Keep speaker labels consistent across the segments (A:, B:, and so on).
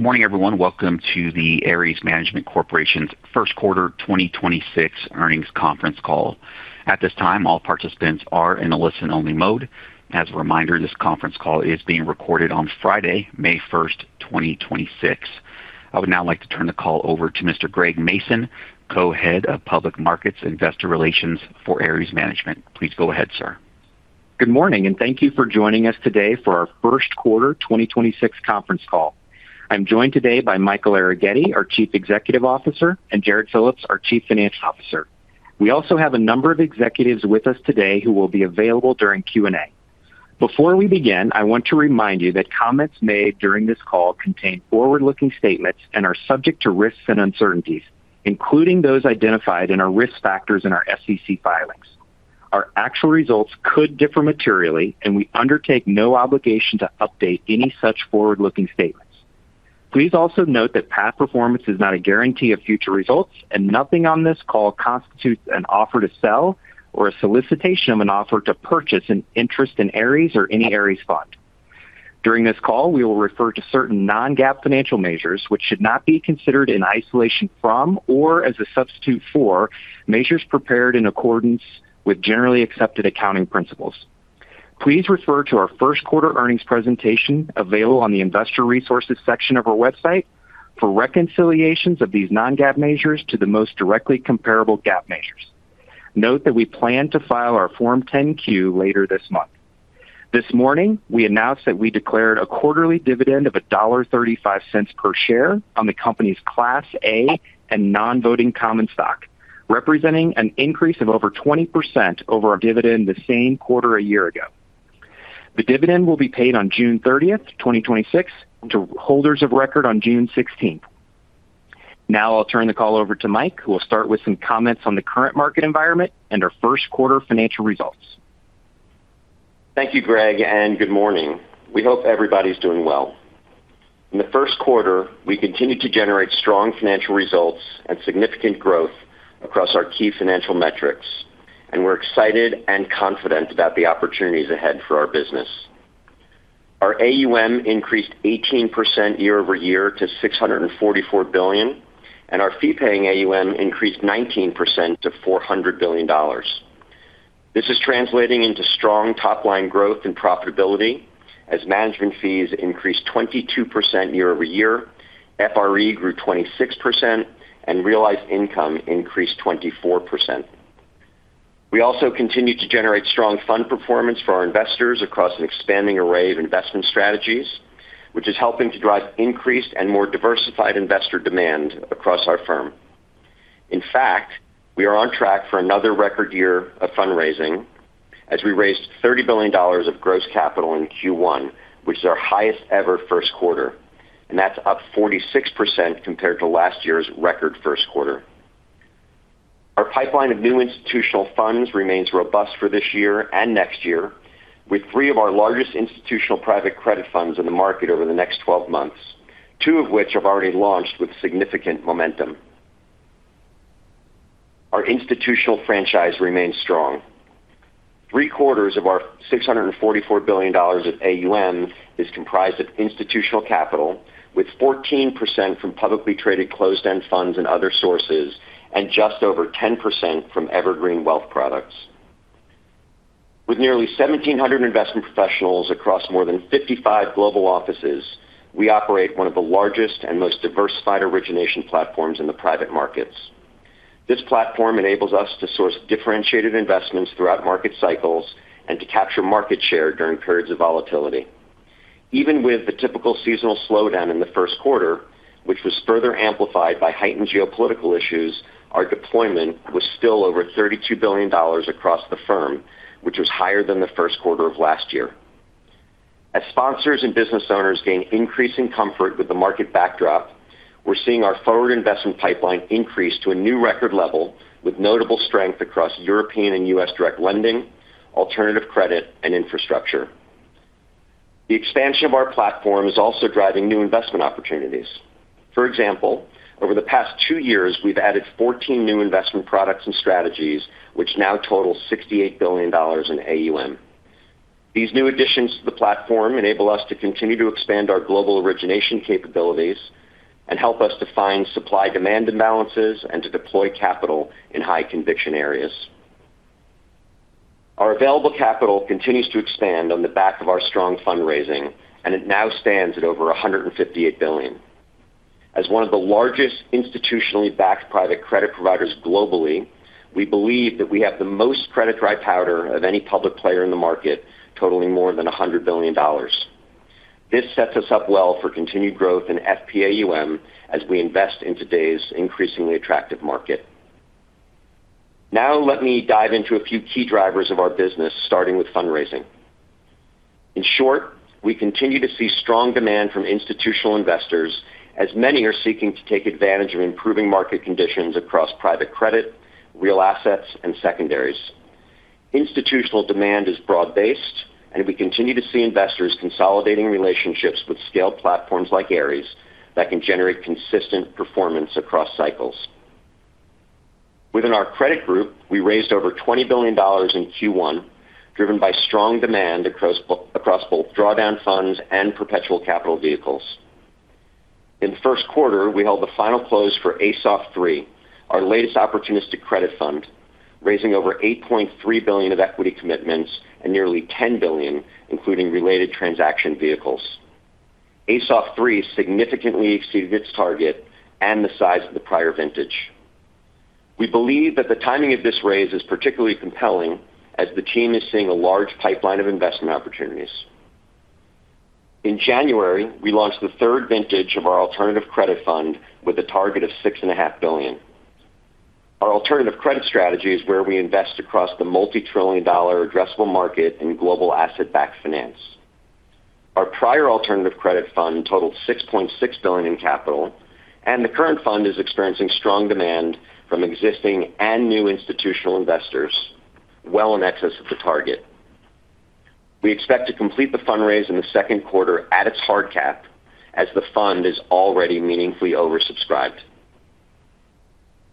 A: Good morning, everyone. Welcome to the Ares Management Corporation's first quarter 2026 earnings conference call. At this time, all participants are in a listen-only mode. As a reminder, this conference call is being recorded on Friday, May 1st, 2026. I would now like to turn the call over to Mr. Greg Mason, Co-Head of Public Markets Investor Relations for Ares Management. Please go ahead, sir.
B: Good morning, and thank you for joining us today for our first quarter 2026 conference call. I'm joined today by Michael Arougheti, our Chief Executive Officer, and Jarrod Phillips, our Chief Financial Officer. We also have a number of executives with us today who will be available during Q&A. Before we begin, I want to remind you that comments made during this call contain forward-looking statements and are subject to risks and uncertainties, including those identified in our risk factors in our SEC filings. Our actual results could differ materially, and we undertake no obligation to update any such forward-looking statements. Please also note that past performance is not a guarantee of future results, and nothing on this call constitutes an offer to sell or a solicitation of an offer to purchase an interest in Ares or any Ares fund. During this call, we will refer to certain non-GAAP financial measures, which should not be considered in isolation from or as a substitute for measures prepared in accordance with generally accepted accounting principles. Please refer to our first quarter earnings presentation available on the Investor Resources section of our website for reconciliations of these non-GAAP measures to the most directly comparable GAAP measures. Note that we plan to file our Form 10-Q later this month. This morning, we announced that we declared a quarterly dividend of $1.35 per share on the company's Class A and non-voting common stock, representing an increase of over 20% over our dividend the same quarter a year ago. The dividend will be paid on June 30th, 2026, to holders of record on June 16th. Now I'll turn the call over to Mike, who will start with some comments on the current market environment and our first quarter financial results.
C: Thank you, Greg, and good morning. We hope everybody's doing well. In the first quarter, we continued to generate strong financial results and significant growth across our key financial metrics, and we're excited and confident about the opportunities ahead for our business. Our AUM increased 18% year-over-year to $644 billion, and our fee-paying AUM increased 19% to $400 billion. This is translating into strong top-line growth and profitability as management fees increased 22% year-over-year, FRE grew 26%, and realized income increased 24%. We also continued to generate strong fund performance for our investors across an expanding array of investment strategies, which is helping to drive increased and more diversified investor demand across our firm. In fact, we are on track for another record year of fundraising as we raised $30 billion of gross capital in Q1, which is our highest ever first quarter, and that's up 46% compared to last year's record first quarter. Our pipeline of new institutional funds remains robust for this year and next year, with three of our largest institutional private credit funds in the market over the next 12 months, two of which have already launched with significant momentum. Our institutional franchise remains strong. Three-quarters of our $644 billion of AUM is comprised of institutional capital, with 14% from publicly traded closed-end funds and other sources, and just over 10% from Evergreen Wealth Products. With nearly 1,700 investment professionals across more than 55 global offices, we operate one of the largest and most diversified origination platforms in the private markets. This platform enables us to source differentiated investments throughout market cycles and to capture market share during periods of volatility. Even with the typical seasonal slowdown in the first quarter, which was further amplified by heightened geopolitical issues, our deployment was still over $32 billion across the firm, which was higher than the first quarter of last year. As sponsors and business owners gain increasing comfort with the market backdrop, we're seeing our forward investment pipeline increase to a new record level with notable strength across European and U.S. direct lending, alternative credit, and infrastructure. The expansion of our platform is also driving new investment opportunities. For example, over the past two years, we've added 14 new investment products and strategies, which now total $68 billion in AUM. These new additions to the platform enable us to continue to expand our global origination capabilities and help us to find supply-demand imbalances and to deploy capital in high conviction areas. Our available capital continues to expand on the back of our strong fundraising, and it now stands at over $158 billion. As one of the largest institutionally backed private credit providers globally, we believe that we have the most credit dry powder of any public player in the market, totaling more than $100 billion. This sets us up well for continued growth in FPAUM as we invest in today's increasingly attractive market. Let me dive into a few key drivers of our business, starting with fundraising. In short, we continue to see strong demand from institutional investors as many are seeking to take advantage of improving market conditions across private credit, real assets, and secondaries. Institutional demand is broad-based, and we continue to see investors consolidating relationships with scaled platforms like Ares that can generate consistent performance across cycles. Within our credit group, we raised over $20 billion in Q1, driven by strong demand across both drawdown funds and perpetual capital vehicles. In the first quarter, we held the final close for ASOF III, our latest opportunistic credit fund, raising over $8.3 billion of equity commitments and nearly $10 billion, including related transaction vehicles. ASOF III significantly exceeded its target and the size of the prior vintage. We believe that the timing of this raise is particularly compelling as the team is seeing a large pipeline of investment opportunities. In January, we launched the third vintage of our alternative credit fund with a target of $6.5 billion. Our alternative credit strategy is where we invest across the multi-trillion dollar addressable market in global Asset-Based Finance. Our prior alternative credit fund totaled $6.6 billion in capital, the current fund is experiencing strong demand from existing and new institutional investors, well in excess of the target. We expect to complete the fundraise in the second quarter at its hard cap as the fund is already meaningfully oversubscribed.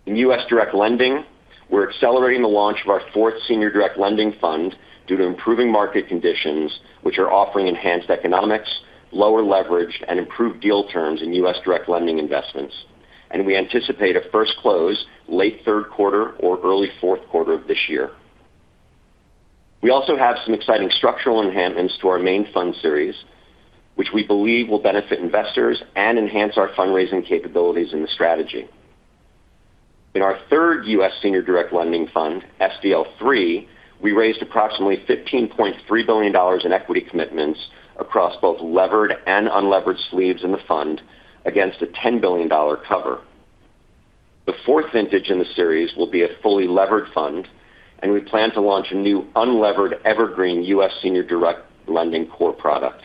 C: In U.S. direct lending, we're accelerating the launch of our fourth senior direct lending fund due to improving market conditions, which are offering enhanced economics, lower leverage, and improved deal terms in U.S. direct lending investments. We anticipate a first close late third quarter or early fourth quarter of this year. We also have some exciting structural enhancements to our main fund series, which we believe will benefit investors and enhance our fundraising capabilities in the strategy. In our third U.S. senior direct lending fund, SDL III, we raised approximately $15.3 billion in equity commitments across both levered and unlevered sleeves in the fund against a $10 billion cover. The fourth vintage in the series will be a fully levered fund, and we plan to launch a new unlevered evergreen U.S. senior direct lending core product.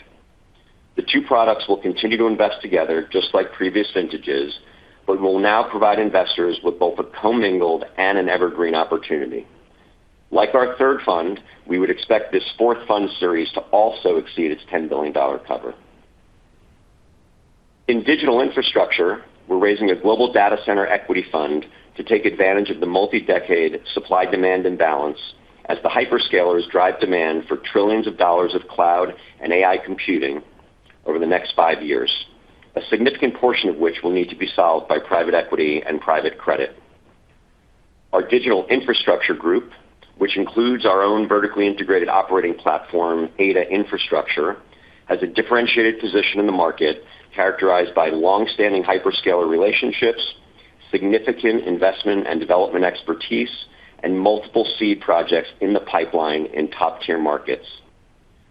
C: The two products will continue to invest together just like previous vintages, but will now provide investors with both a commingled and an evergreen opportunity. Like our third fund, we would expect this fourth fund series to also exceed its $10 billion cover. In digital infrastructure, we're raising a global data center equity fund to take advantage of the multi-decade supply-demand imbalance as the hyperscalers drive demand for trillions of dollars of cloud and AI computing over the next five years, a significant portion of which will need to be solved by private equity and private credit. Our digital infrastructure group, which includes our own vertically integrated operating platform, ADA Infrastructure, has a differentiated position in the market characterized by long-standing hyperscaler relationships, significant investment and development expertise, and multiple seed projects in the pipeline in top-tier markets.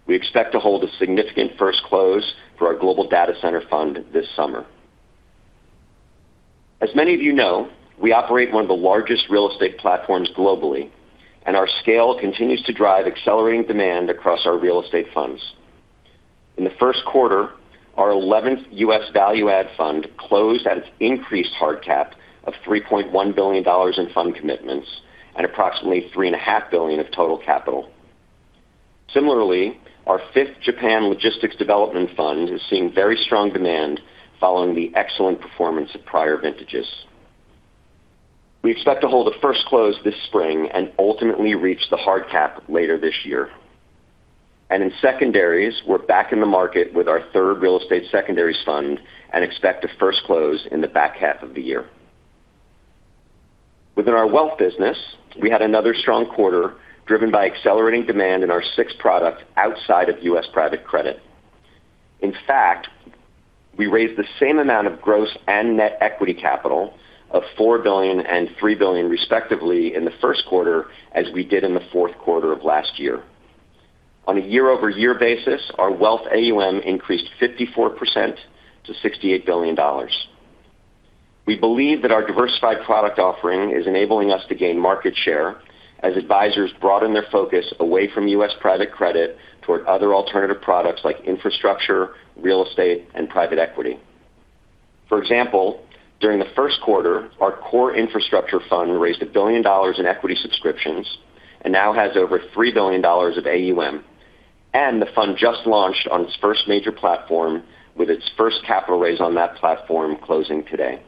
C: We expect to hold a significant first close for our global data center fund this summer. As many of you know, we operate one of the largest real estate platforms globally, and our scale continues to drive accelerating demand across our real estate funds. In the first quarter, our 11th U.S. value add fund closed at its increased hard cap of $3.1 billion in fund commitments and approximately $3.5 billion of total capital. Similarly, our fifth Japan logistics development fund is seeing very strong demand following the excellent performance of prior vintages. We expect to hold a first close this spring and ultimately reach the hard cap later this year. In secondaries, we're back in the market with our third real estate secondaries fund and expect to first close in the back half of the year. Within our wealth business, we had another strong quarter driven by accelerating demand in our six products outside of U.S. private credit. In fact, we raised the same amount of gross and net equity capital of $4 billion and $3 billion, respectively, in the first quarter as we did in the fourth quarter of last year. On a year-over-year basis, our wealth AUM increased 54% to $68 billion. We believe that our diversified product offering is enabling us to gain market share as advisors broaden their focus away from U.S. private credit toward other alternative products like infrastructure, real estate, and private equity. For example, during the first quarter, our core infrastructure fund raised $1 billion in equity subscriptions and now has over $3 billion of AUM. The fund just launched on its first major platform with its first capital raise on that platform closing today.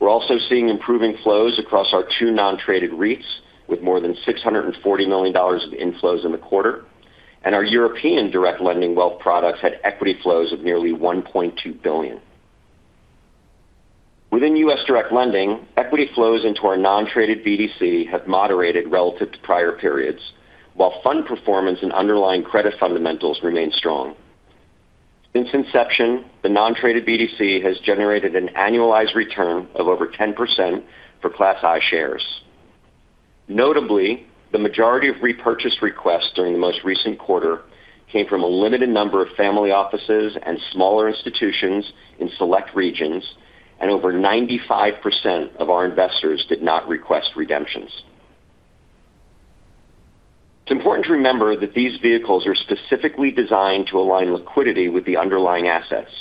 C: We're also seeing improving flows across our two non-traded REITs with more than $640 million of inflows in the quarter. Our European direct lending wealth products had equity flows of nearly $1.2 billion. Within U.S. direct lending, equity flows into our non-traded BDC have moderated relative to prior periods, while fund performance and underlying credit fundamentals remain strong. Since inception, the non-traded BDC has generated an annualized return of over 10% for Class I shares. Notably, the majority of repurchase requests during the most recent quarter came from a limited number of family offices and smaller institutions in select regions, and over 95% of our investors did not request redemptions. It's important to remember that these vehicles are specifically designed to align liquidity with the underlying assets.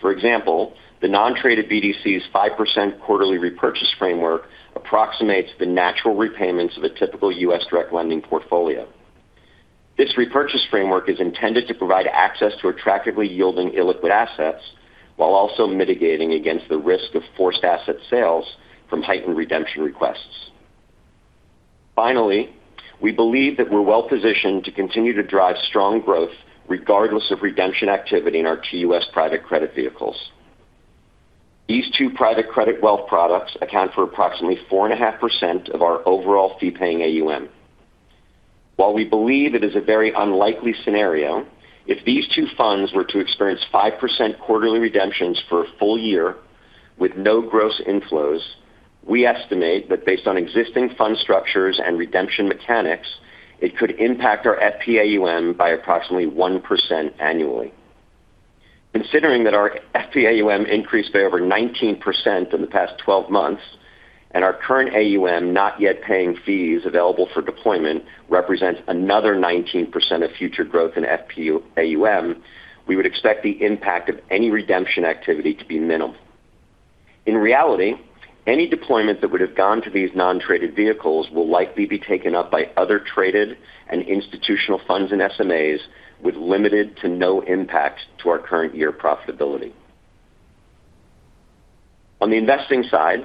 C: For example, the non-traded BDC's 5% quarterly repurchase framework approximates the natural repayments of a typical U.S. direct lending portfolio. This repurchase framework is intended to provide access to attractively yielding illiquid assets while also mitigating against the risk of forced asset sales from heightened redemption requests. We believe that we're well positioned to continue to drive strong growth regardless of redemption activity in our two U.S. private credit vehicles. These two private credit wealth products account for approximately 4.5% of our overall fee-paying AUM. While we believe it is a very unlikely scenario, if these two funds were to experience 5% quarterly redemptions for a full year with no gross inflows, we estimate that based on existing fund structures and redemption mechanics, it could impact our FPAUM by approximately 1% annually. Considering that our FPAUM increased by over 19% in the past 12 months and our current AUM not yet paying fees available for deployment represents another 19% of future growth in FPAUM, we would expect the impact of any redemption activity to be minimal. In reality, any deployment that would have gone to these non-traded vehicles will likely be taken up by other traded and institutional funds and SMAs with limited to no impact to our current year profitability. On the investing side,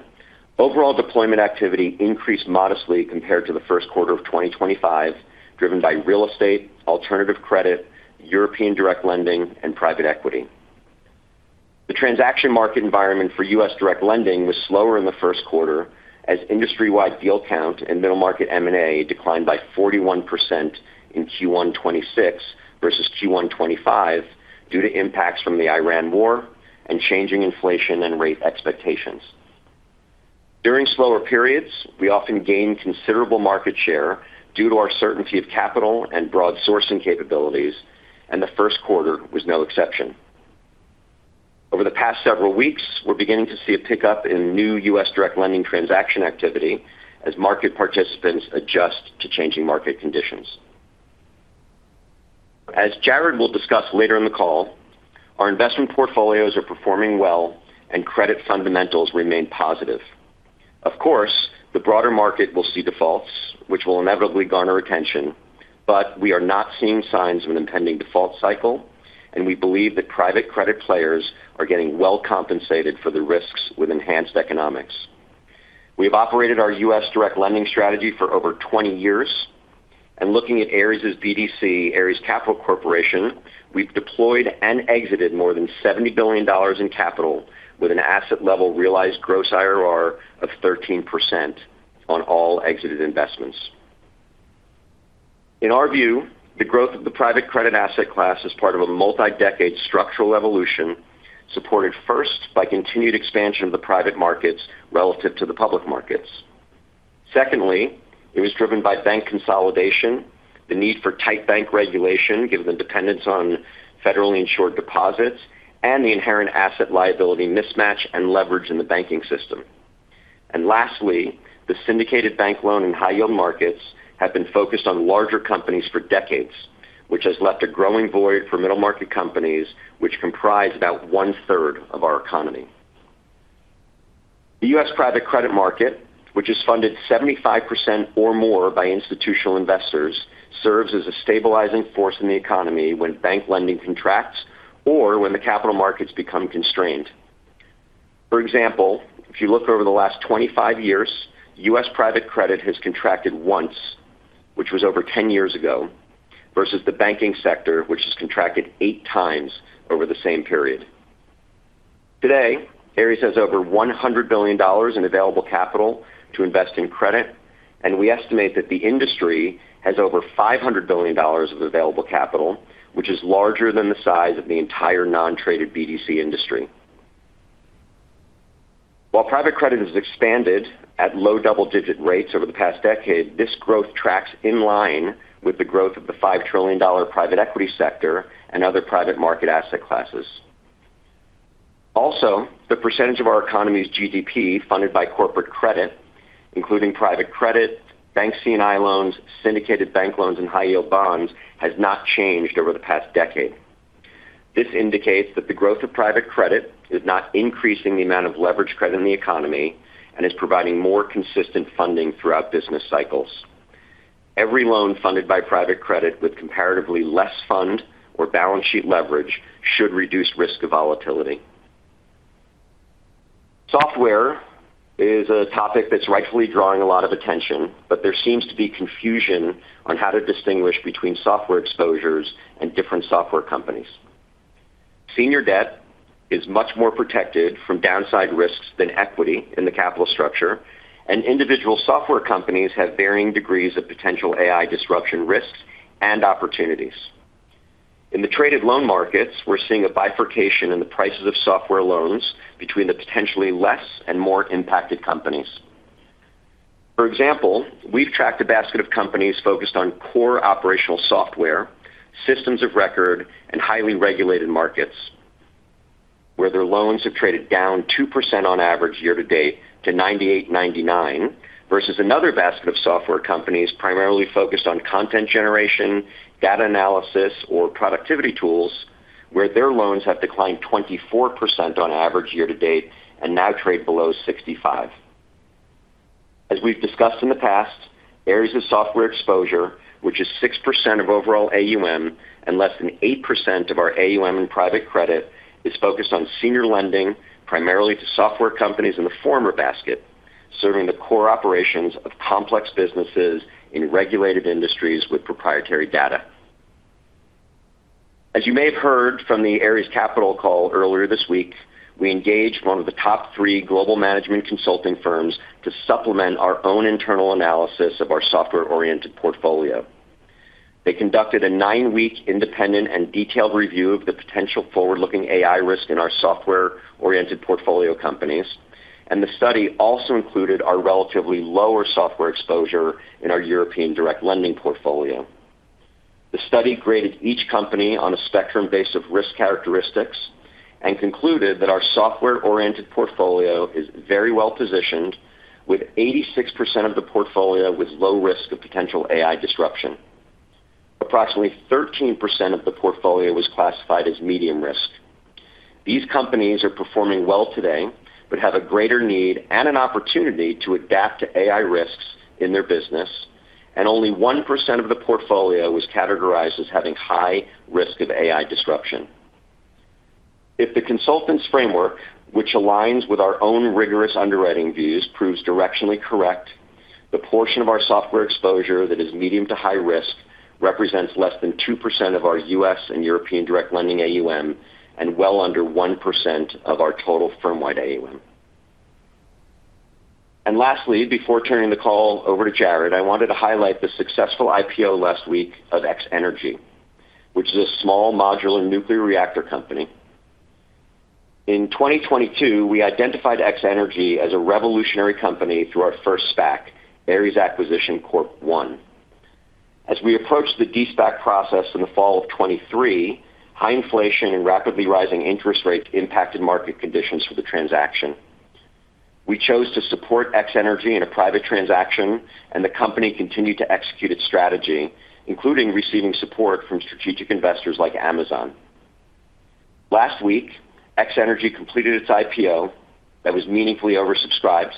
C: overall deployment activity increased modestly compared to the first quarter of 2025, driven by real estate, alternative credit, European direct lending, and private equity. The transaction market environment for U.S. direct lending was slower in the first quarter as industry-wide deal count and middle market M&A declined by 41% in Q1 2026 versus Q1 2025 due to impacts from the Iran war and changing inflation and rate expectations. During slower periods, we often gain considerable market share due to our certainty of capital and broad sourcing capabilities, and the first quarter was no exception. Over the past several weeks, we're beginning to see a pickup in new U.S. direct lending transaction activity as market participants adjust to changing market conditions. As Jarrod will discuss later in the call, our investment portfolios are performing well and credit fundamentals remain positive. Of course, the broader market will see defaults, which will inevitably garner attention. We are not seeing signs of an impending default cycle, and we believe that private credit players are getting well compensated for the risks with enhanced economics. We have operated our U.S. direct lending strategy for over 20 years, and looking at Ares' BDC, Ares Capital Corporation, we've deployed and exited more than $70 billion in capital with an asset level realized gross IRR of 13% on all exited investments. In our view, the growth of the private credit asset class is part of a multi-decade structural evolution supported first by continued expansion of the private markets relative to the public markets. Secondly, it was driven by bank consolidation, the need for tight bank regulation given the dependence on federally insured deposits, and the inherent asset liability mismatch and leverage in the banking system. Lastly, the syndicated bank loan and high yield markets have been focused on larger companies for decades, which has left a growing void for middle market companies, which comprise about one-third of our economy. The U.S. private credit market, which is funded 75% or more by institutional investors, serves as a stabilizing force in the economy when bank lending contracts or when the capital markets become constrained. For example, if you look over the last 25 years, U.S. private credit has contracted once, which was over 10 years ago, versus the banking sector, which has contracted 8x over the same period. Today, Ares has over $100 billion in available capital to invest in credit, and we estimate that the industry has over $500 billion of available capital, which is larger than the size of the entire non-traded BDC industry. While private credit has expanded at low double-digit rates over the past decade, this growth tracks in line with the growth of the $5 trillion private equity sector and other private market asset classes. Also, the percentage of our economy's GDP funded by corporate credit, including private credit, bank C&I loans, syndicated bank loans, and high-yield bonds, has not changed over the past decade. This indicates that the growth of private credit is not increasing the amount of leverage credit in the economy and is providing more consistent funding throughout business cycles. Every loan funded by private credit with comparatively less fund or balance sheet leverage should reduce risk of volatility. Software is a topic that's rightfully drawing a lot of attention, but there seems to be confusion on how to distinguish between software exposures and different software companies. Senior debt is much more protected from downside risks than equity in the capital structure, and individual software companies have varying degrees of potential AI disruption risks and opportunities. In the traded loan markets, we're seeing a bifurcation in the prices of software loans between the potentially less and more impacted companies. For example, we've tracked a basket of companies focused on core operational software, systems of record, and highly regulated markets, where their loans have traded down 2% on average year-to-date to 98%, 99%, versus another basket of software companies primarily focused on content generation, data analysis, or productivity tools, where their loans have declined 24% on average year-to-date and now trade below 65%. As we've discussed in the past, areas of software exposure, which is 6% of overall AUM and less than 8% of our AUM in private credit, is focused on senior lending primarily to software companies in the former basket, serving the core operations of complex businesses in regulated industries with proprietary data. As you may have heard from the Ares Capital call earlier this week, we engaged one of the top three global management consulting firms to supplement our own internal analysis of our software-oriented portfolio. They conducted a nine-week independent and detailed review of the potential forward-looking AI risk in our software-oriented portfolio companies, and the study also included our relatively lower software exposure in our European direct lending portfolio. The study graded each company on a spectrum base of risk characteristics and concluded that our software-oriented portfolio is very well-positioned with 86% of the portfolio with low risk of potential AI disruption. Approximately 13% of the portfolio was classified as medium risk. These companies are performing well today, but have a greater need and an opportunity to adapt to AI risks in their business, and only 1% of the portfolio was categorized as having high risk of AI disruption. If the consultant's framework, which aligns with our own rigorous underwriting views, proves directionally correct, the portion of our software exposure that is medium to high risk represents less than 2% of our U.S. and European direct lending AUM and well under 1% of our total firm-wide AUM. Lastly, before turning the call over to Jarrod, I wanted to highlight the successful IPO last week of X-energy, which is a small modular nuclear reactor company. In 2022, we identified X-energy as a revolutionary company through our first SPAC, Ares Acquisition Corp I. As we approached the De-SPAC process in the fall of 2023, high inflation and rapidly rising interest rates impacted market conditions for the transaction. We chose to support X-energy in a private transaction, and the company continued to execute its strategy, including receiving support from strategic investors like Amazon. Last week, X-energy completed its IPO that was meaningfully oversubscribed,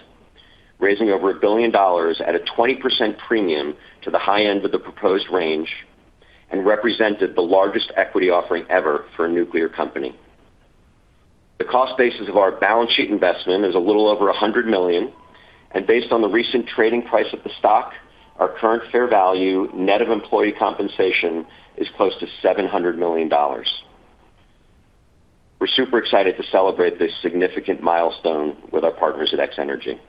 C: raising over $1 billion at a 20% premium to the high end of the proposed range and represented the largest equity offering ever for a nuclear company. The cost basis of our balance sheet investment is a little over $100 million, and based on the recent trading price of the stock, our current fair value, net of employee compensation, is close to $700 million. We're super excited to celebrate this significant milestone with our partners at X-energy.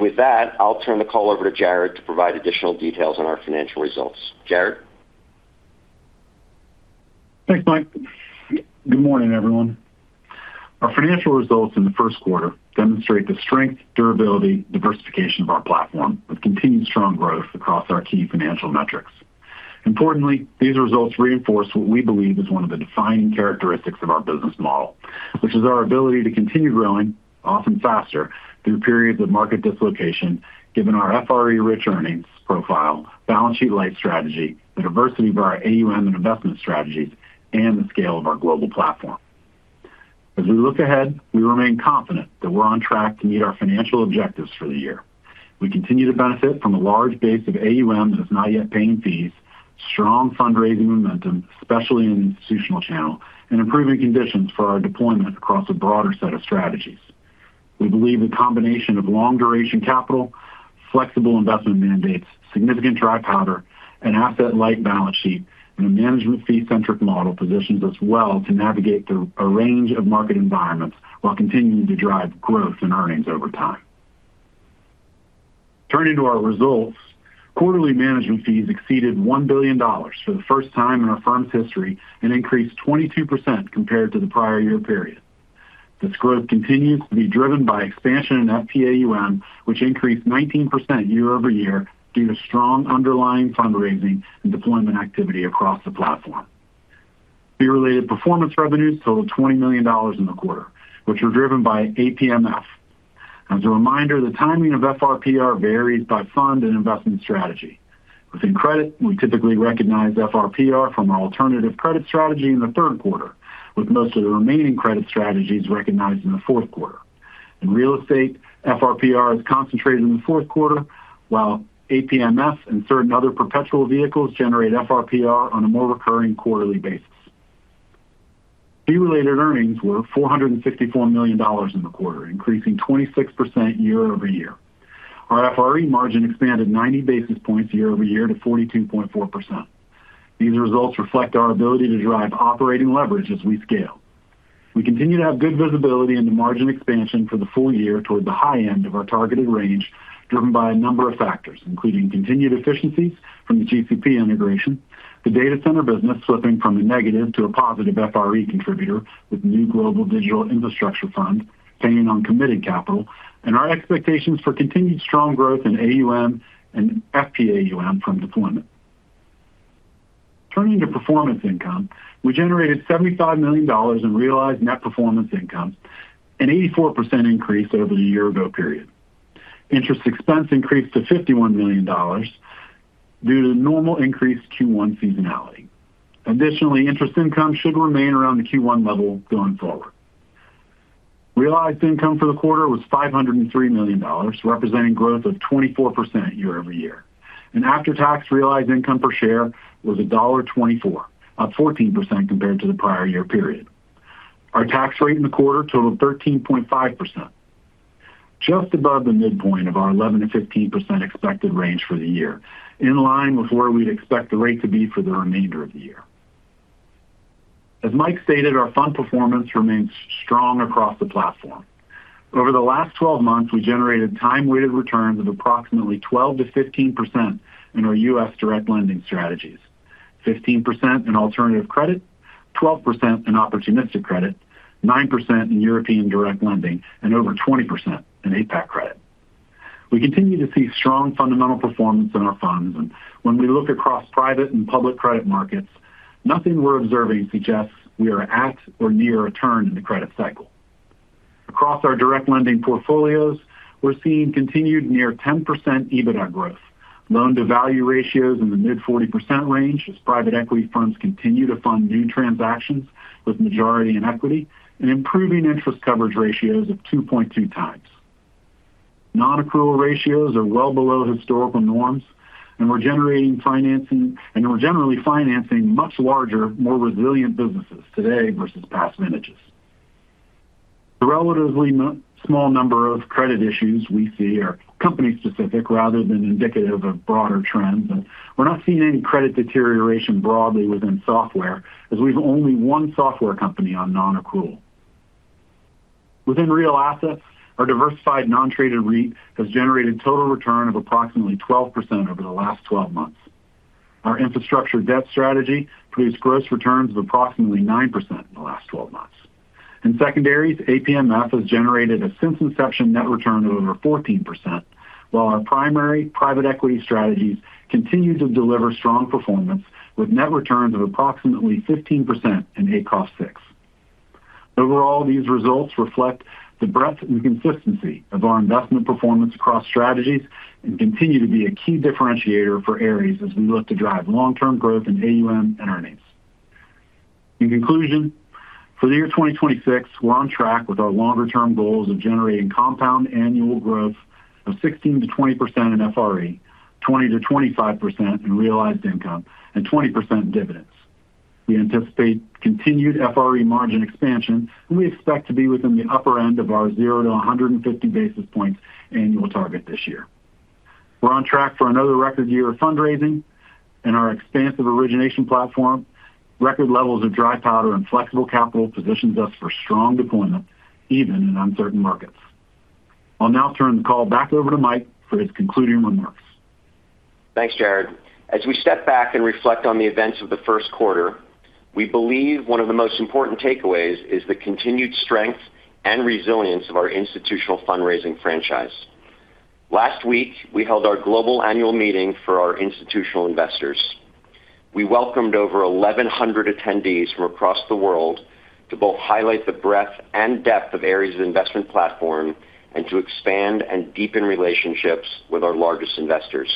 C: With that, I'll turn the call over to Jarrod to provide additional details on our financial results. Jarrod?
D: Thanks, Mike. Good morning, everyone. Our financial results in the first quarter demonstrate the strength, durability, diversification of our platform with continued strong growth across our key financial metrics. Importantly, these results reinforce what we believe is one of the defining characteristics of our business model, which is our ability to continue growing, often faster, through periods of market dislocation, given our FRE-rich earnings profile, balance sheet light strategy, the diversity of our AUM and investment strategies, and the scale of our global platform. As we look ahead, we remain confident that we're on track to meet our financial objectives for the year. We continue to benefit from a large base of AUM that is not yet paying fees, strong fundraising momentum, especially in the institutional channel, and improving conditions for our deployments across a broader set of strategies. We believe the combination of long-duration capital, flexible investment mandates, significant dry powder, an asset-light balance sheet, and a management fee-centric model positions us well to navigate through a range of market environments while continuing to drive growth in earnings over time. Turning to our results, quarterly management fees exceeded $1 billion for the first time in our firm's history and increased 22% compared to the prior year period. This growth continues to be driven by expansion in FPAUM, which increased 19% year-over-year due to strong underlying fundraising and deployment activity across the platform. Fee-related performance revenues totaled $20 million in the quarter, which were driven by APMF. As a reminder, the timing of FRPR varies by fund and investment strategy. Within credit, we typically recognize FRPR from our alternative credit strategy in the third quarter, with most of the remaining credit strategies recognized in the fourth quarter. In real estate, FRPR is concentrated in the fourth quarter, while APMF and certain other perpetual vehicles generate FRPR on a more recurring quarterly basis. Fee-related earnings were $464 million in the quarter, increasing 26% year-over-year. Our FRE margin expanded 90 basis points year-over-year to 42.4%. These results reflect our ability to drive operating leverage as we scale. We continue to have good visibility into margin expansion for the full year toward the high end of our targeted range, driven by a number of factors, including continued efficiencies from the GCP integration, the data center business flipping from a negative to a positive FRE contributor with new global digital infrastructure funds paying on committed capital, and our expectations for continued strong growth in AUM and FPAUM from deployment. Turning to performance income, we generated $75 million in realized net performance income, an 84% increase over the year-ago period. Interest expense increased to $51 million. Due to normal increased Q1 seasonality. Additionally, interest income should remain around the Q1 level going forward. Realized income for the quarter was $503 million, representing growth of 24% year-over-year. After-tax realized income per share was $1.24, up 14% compared to the prior year period. Our tax rate in the quarter totaled 13.5%, just above the midpoint of our 11%-15% expected range for the year, in line with where we'd expect the rate to be for the remainder of the year. As Mike stated, our fund performance remains strong across the platform. Over the last 12 months, we generated time-weighted returns of approximately 12%-15% in our U.S. direct lending strategies, 15% in alternative credit, 12% in opportunistic credit, 9% in European direct lending, and over 20% in APAC credit. We continue to see strong fundamental performance in our funds, and when we look across private and public credit markets, nothing we're observing suggests we are at or near a turn in the credit cycle. Across our direct lending portfolios, we're seeing continued near 10% EBITDA growth, loan-to-value ratios in the mid-40% range as private equity funds continue to fund new transactions with majority in equity, and improving interest coverage ratios of 2.2x. Non-accrual ratios are well below historical norms, and we're generally financing much larger, more resilient businesses today versus past vintages. The relatively small number of credit issues we see are company-specific rather than indicative of broader trends, and we're not seeing any credit deterioration broadly within software, as we have only one software company on non-accrual. Within real assets, our diversified non-traded REIT has generated total return of approximately 12% over the last 12 months. Our infrastructure debt strategy produced gross returns of approximately 9% in the last 12 months. In secondaries, APMF has generated a since-inception net return of over 14%, while our primary private equity strategies continue to deliver strong performance with net returns of approximately 15% in ACOS VI. Overall, these results reflect the breadth and consistency of our investment performance across strategies and continue to be a key differentiator for Ares as we look to drive long-term growth in AUM and earnings. In conclusion, for the year 2026, we're on track with our longer-term goals of generating compound annual growth of 16%-20% in FRE, 20%-25% in realized income, and 20% dividends. We anticipate continued FRE margin expansion, and we expect to be within the upper end of our 0-150 basis points annual target this year. We're on track for another record year of fundraising, and our expansive origination platform, record levels of dry powder and flexible capital positions us for strong deployment, even in uncertain markets. I'll now turn the call back over to Mike for his concluding remarks.
C: Thanks, Jarrod. As we step back and reflect on the events of the first quarter, we believe one of the most important takeaways is the continued strength and resilience of our institutional fundraising franchise. Last week, we held our global annual meeting for our institutional investors. We welcomed over 1,100 attendees from across the world to both highlight the breadth and depth of Ares' investment platform and to expand and deepen relationships with our largest investors.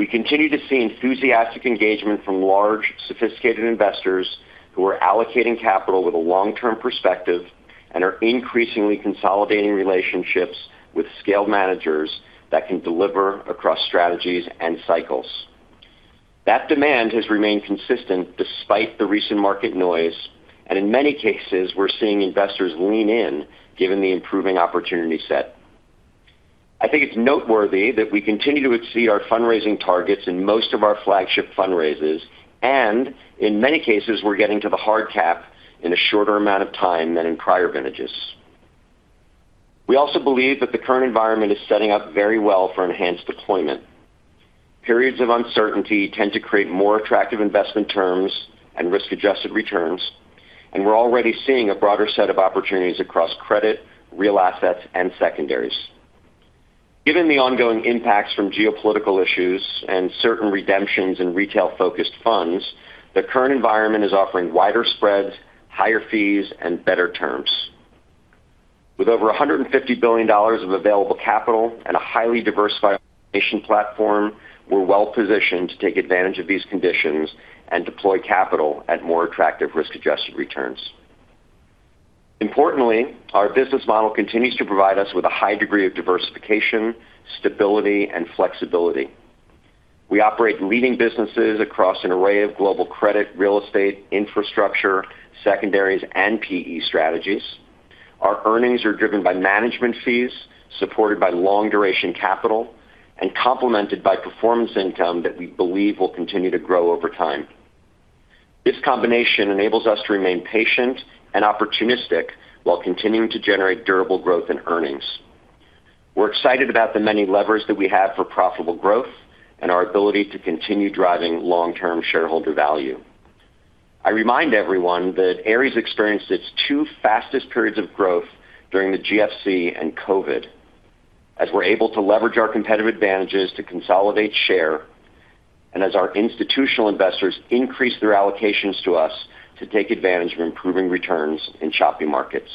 C: We continue to see enthusiastic engagement from large, sophisticated investors who are allocating capital with a long-term perspective and are increasingly consolidating relationships with scaled managers that can deliver across strategies and cycles. That demand has remained consistent despite the recent market noise, and in many cases, we're seeing investors lean in given the improving opportunity set. I think it's noteworthy that we continue to exceed our fundraising targets in most of our flagship fundraises, and in many cases, we're getting to the hard cap in a shorter amount of time than in prior vintages. We also believe that the current environment is setting up very well for enhanced deployment. Periods of uncertainty tend to create more attractive investment terms and risk-adjusted returns, and we're already seeing a broader set of opportunities across credit, real assets, and secondaries. Given the ongoing impacts from geopolitical issues and certain redemptions in retail-focused funds, the current environment is offering wider spreads, higher fees, and better terms. With over $150 billion of available capital and a highly diversified origination platform, we're well-positioned to take advantage of these conditions and deploy capital at more attractive risk-adjusted returns. Importantly, our business model continues to provide us with a high degree of diversification, stability, and flexibility. We operate leading businesses across an array of global credit, real estate, infrastructure, secondaries, and PE strategies. Our earnings are driven by management fees, supported by long-duration capital, and complemented by performance income that we believe will continue to grow over time. This combination enables us to remain patient and opportunistic while continuing to generate durable growth in earnings. We're excited about the many levers that we have for profitable growth and our ability to continue driving long-term shareholder value. I remind everyone that Ares experienced its two fastest periods of growth during the GFC and COVID, as we're able to leverage our competitive advantages to consolidate share and as our institutional investors increase their allocations to us to take advantage of improving returns in choppy markets.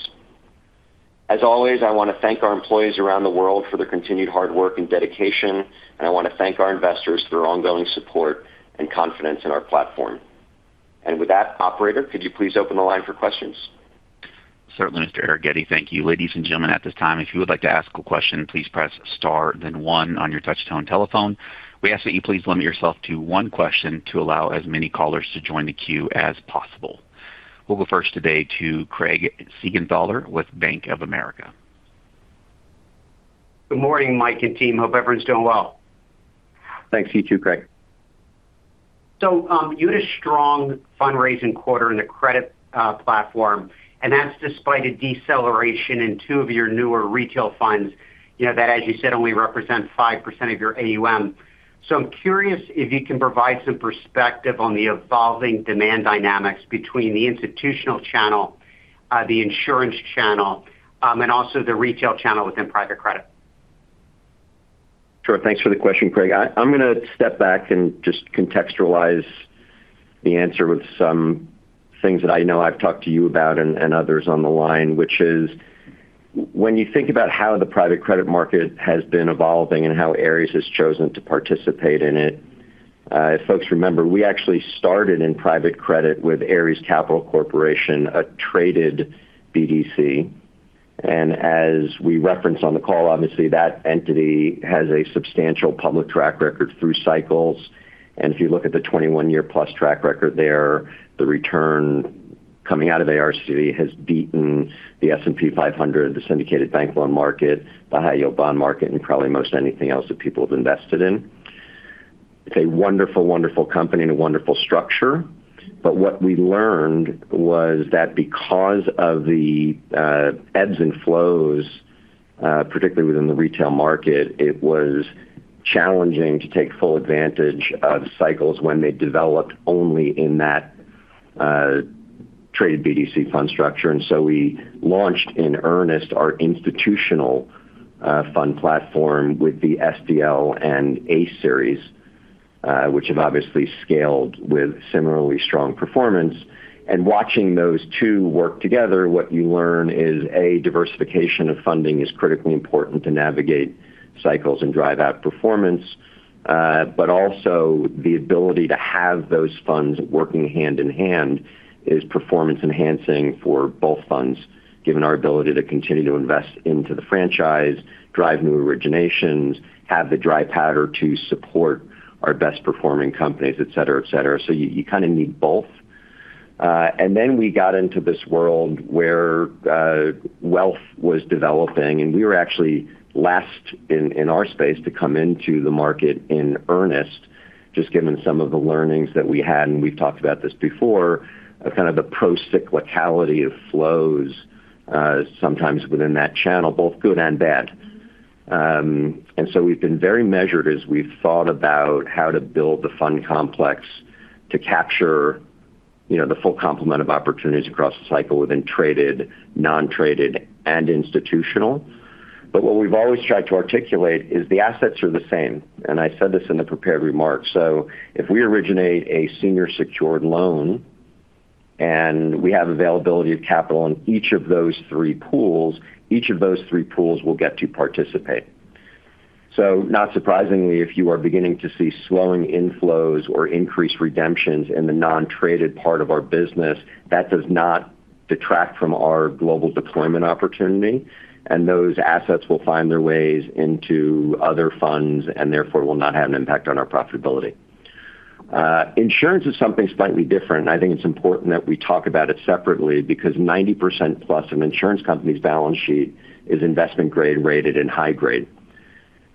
C: As always, I wanna thank our employees around the world for their continued hard work and dedication, and I wanna thank our investors for their ongoing support and confidence in our platform. With that, operator, could you please open the line for questions?
A: Certainly, Mr. Arougheti. Thank you. Ladies and gentlemen, at this time, if you would like to ask a question, please press star then one on your touchtone telephone. We ask that you please limit yourself to one question to allow as many callers to join the queue as possible. We'll go first today to Craig Siegenthaler with Bank of America.
E: Good morning, Michael and team. Hope everyone's doing well.
C: Thanks. You too, Craig.
E: You had a strong fundraising quarter in the credit platform, and that's despite a deceleration in two of your newer retail funds. You know, that, as you said, only represents 5% of your AUM. I'm curious if you can provide some perspective on the evolving demand dynamics between the institutional channel, the insurance channel, and also the retail channel within private credit.
C: Sure. Thanks for the question, Craig. I'm going to step back and just contextualize the answer with some things that I know I've talked to you about and others on the line, which is when you think about how the private credit market has been evolving and how Ares has chosen to participate in it, if folks remember, we actually started in private credit with Ares Capital Corporation, a traded BDC. As we referenced on the call, obviously that entity has a substantial public track record through cycles. If you look at the 21-year-plus track record there, the return coming out of ARCC has beaten the S&P 500, the syndicated bank loan market, the high-yield bond market, and probably most anything else that people have invested in. It's a wonderful company and a wonderful structure. What we learned was that because of the ebbs and flows, particularly within the retail market, it was challenging to take full advantage of cycles when they developed only in that traded BDC fund structure. We launched in earnest our institutional fund platform with the SDL and ACE series, which have obviously scaled with similarly strong performance. Watching those two work together, what you learn is, A, diversification of funding is critically important to navigate cycles and drive out performance. Also the ability to have those funds working hand in hand is performance enhancing for both funds, given our ability to continue to invest into the franchise, drive new originations, have the dry powder to support our best performing companies, et cetera, et cetera. You kinda need both. Then we got into this world where wealth was developing, and we were actually last in our space to come into the market in earnest, just given some of the learnings that we had, and we've talked about this before, kind of the pro-cyclicality of flows sometimes within that channel, both good and bad. We've been very measured as we've thought about how to build the fund complex to capture, you know, the full complement of opportunities across the cycle within traded, non-traded, and institutional. What we've always tried to articulate is the assets are the same, and I said this in the prepared remarks. If we originate a senior secured loan and we have availability of capital in each of those three pools, each of those three pools will get to participate. Not surprisingly, if you are beginning to see slowing inflows or increased redemptions in the non-traded part of our business, that does not detract from our global deployment opportunity, and those assets will find their ways into other funds and therefore will not have an impact on our profitability. Insurance is something slightly different. I think it's important that we talk about it separately because 90%+ of insurance company's balance sheet is investment grade rated and high grade.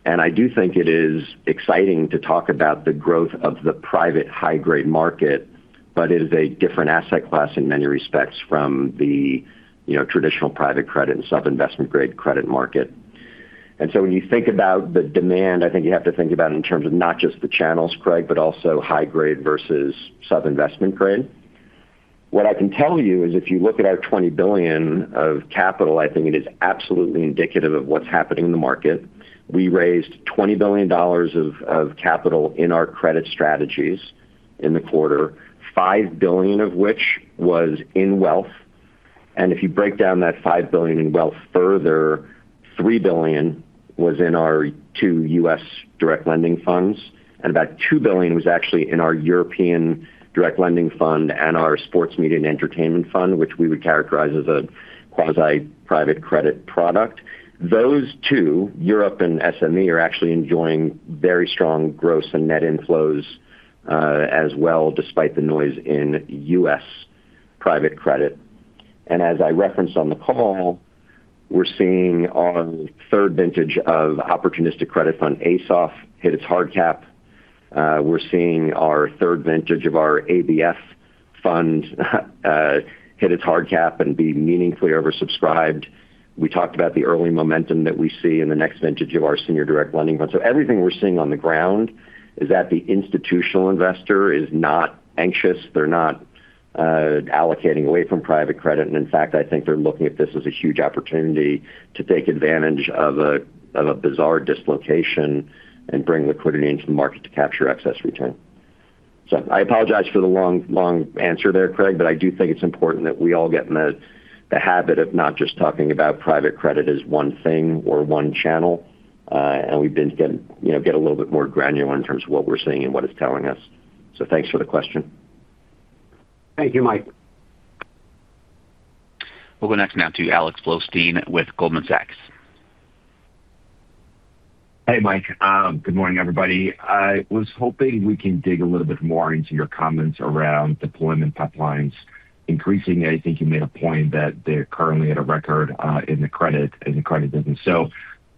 C: I do think it is exciting to talk about the growth of the private high grade market, but it is a different asset class in many respects from the, you know, traditional private credit and sub-investment grade credit market. When you think about the demand, I think you have to think about it in terms of not just the channels, Craig, but also high grade versus sub-investment grade. What I can tell you is if you look at our $20 billion of capital, I think it is absolutely indicative of what's happening in the market. We raised $20 billion of capital in our credit strategies in the quarter, $5 billion of which was in wealth. If you break down that $5 billion in wealth further, $3 billion was in our two U.S. direct lending funds, and about $2 billion was actually in our European direct lending fund and our sports media and entertainment fund, which we would characterize as a quasi private credit product. Those two, Europe and SME, are actually enjoying very strong gross and net inflows, as well, despite the noise in U.S. private credit. As I referenced on the call, we're seeing our third vintage of opportunistic credit fund, ASOF, hit its hard cap. We're seeing our third vintage of our ABF fund hit its hard cap and be meaningfully oversubscribed. We talked about the early momentum that we see in the next vintage of our senior direct lending fund. Everything we're seeing on the ground is that the institutional investor is not anxious. They're not allocating away from private credit. In fact, I think they're looking at this as a huge opportunity to take advantage of a bizarre dislocation and bring liquidity into the market to capture excess return. I apologize for the long answer there, Craig, but I do think it's important that we all get in the habit of not just talking about private credit as one thing or one channel. We've been, you know, get a little bit more granular in terms of what we're seeing and what it's telling us. Thanks for the question.
E: Thank you, Mike.
A: We'll go next now to Alex Blostein with Goldman Sachs.
F: Hey, Mike. Good morning, everybody. I was hoping we can dig a little bit more into your comments around deployment pipelines increasing. I think you made a point that they're currently at a record in the credit business.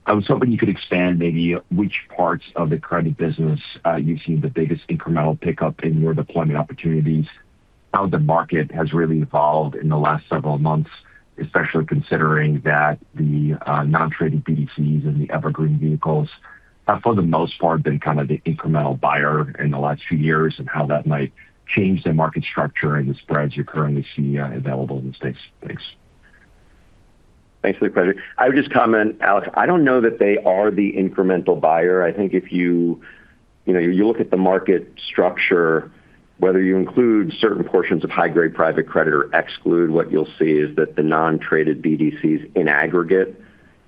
F: I was hoping you could expand maybe which parts of the credit business you've seen the biggest incremental pickup in your deployment opportunities, how the market has really evolved in the last several months, especially considering that the non-traded BDCs and the evergreen vehicles have, for the most part, been kind of the incremental buyer in the last few years, and how that might change the market structure and the spreads you currently see available in the space. Thanks.
C: Thanks for the question. I would just comment, Alex, I don't know that they are the incremental buyer. I think if you know, you look at the market structure, whether you include certain portions of high-grade private credit or exclude, what you'll see is that the non-traded BDCs in aggregate,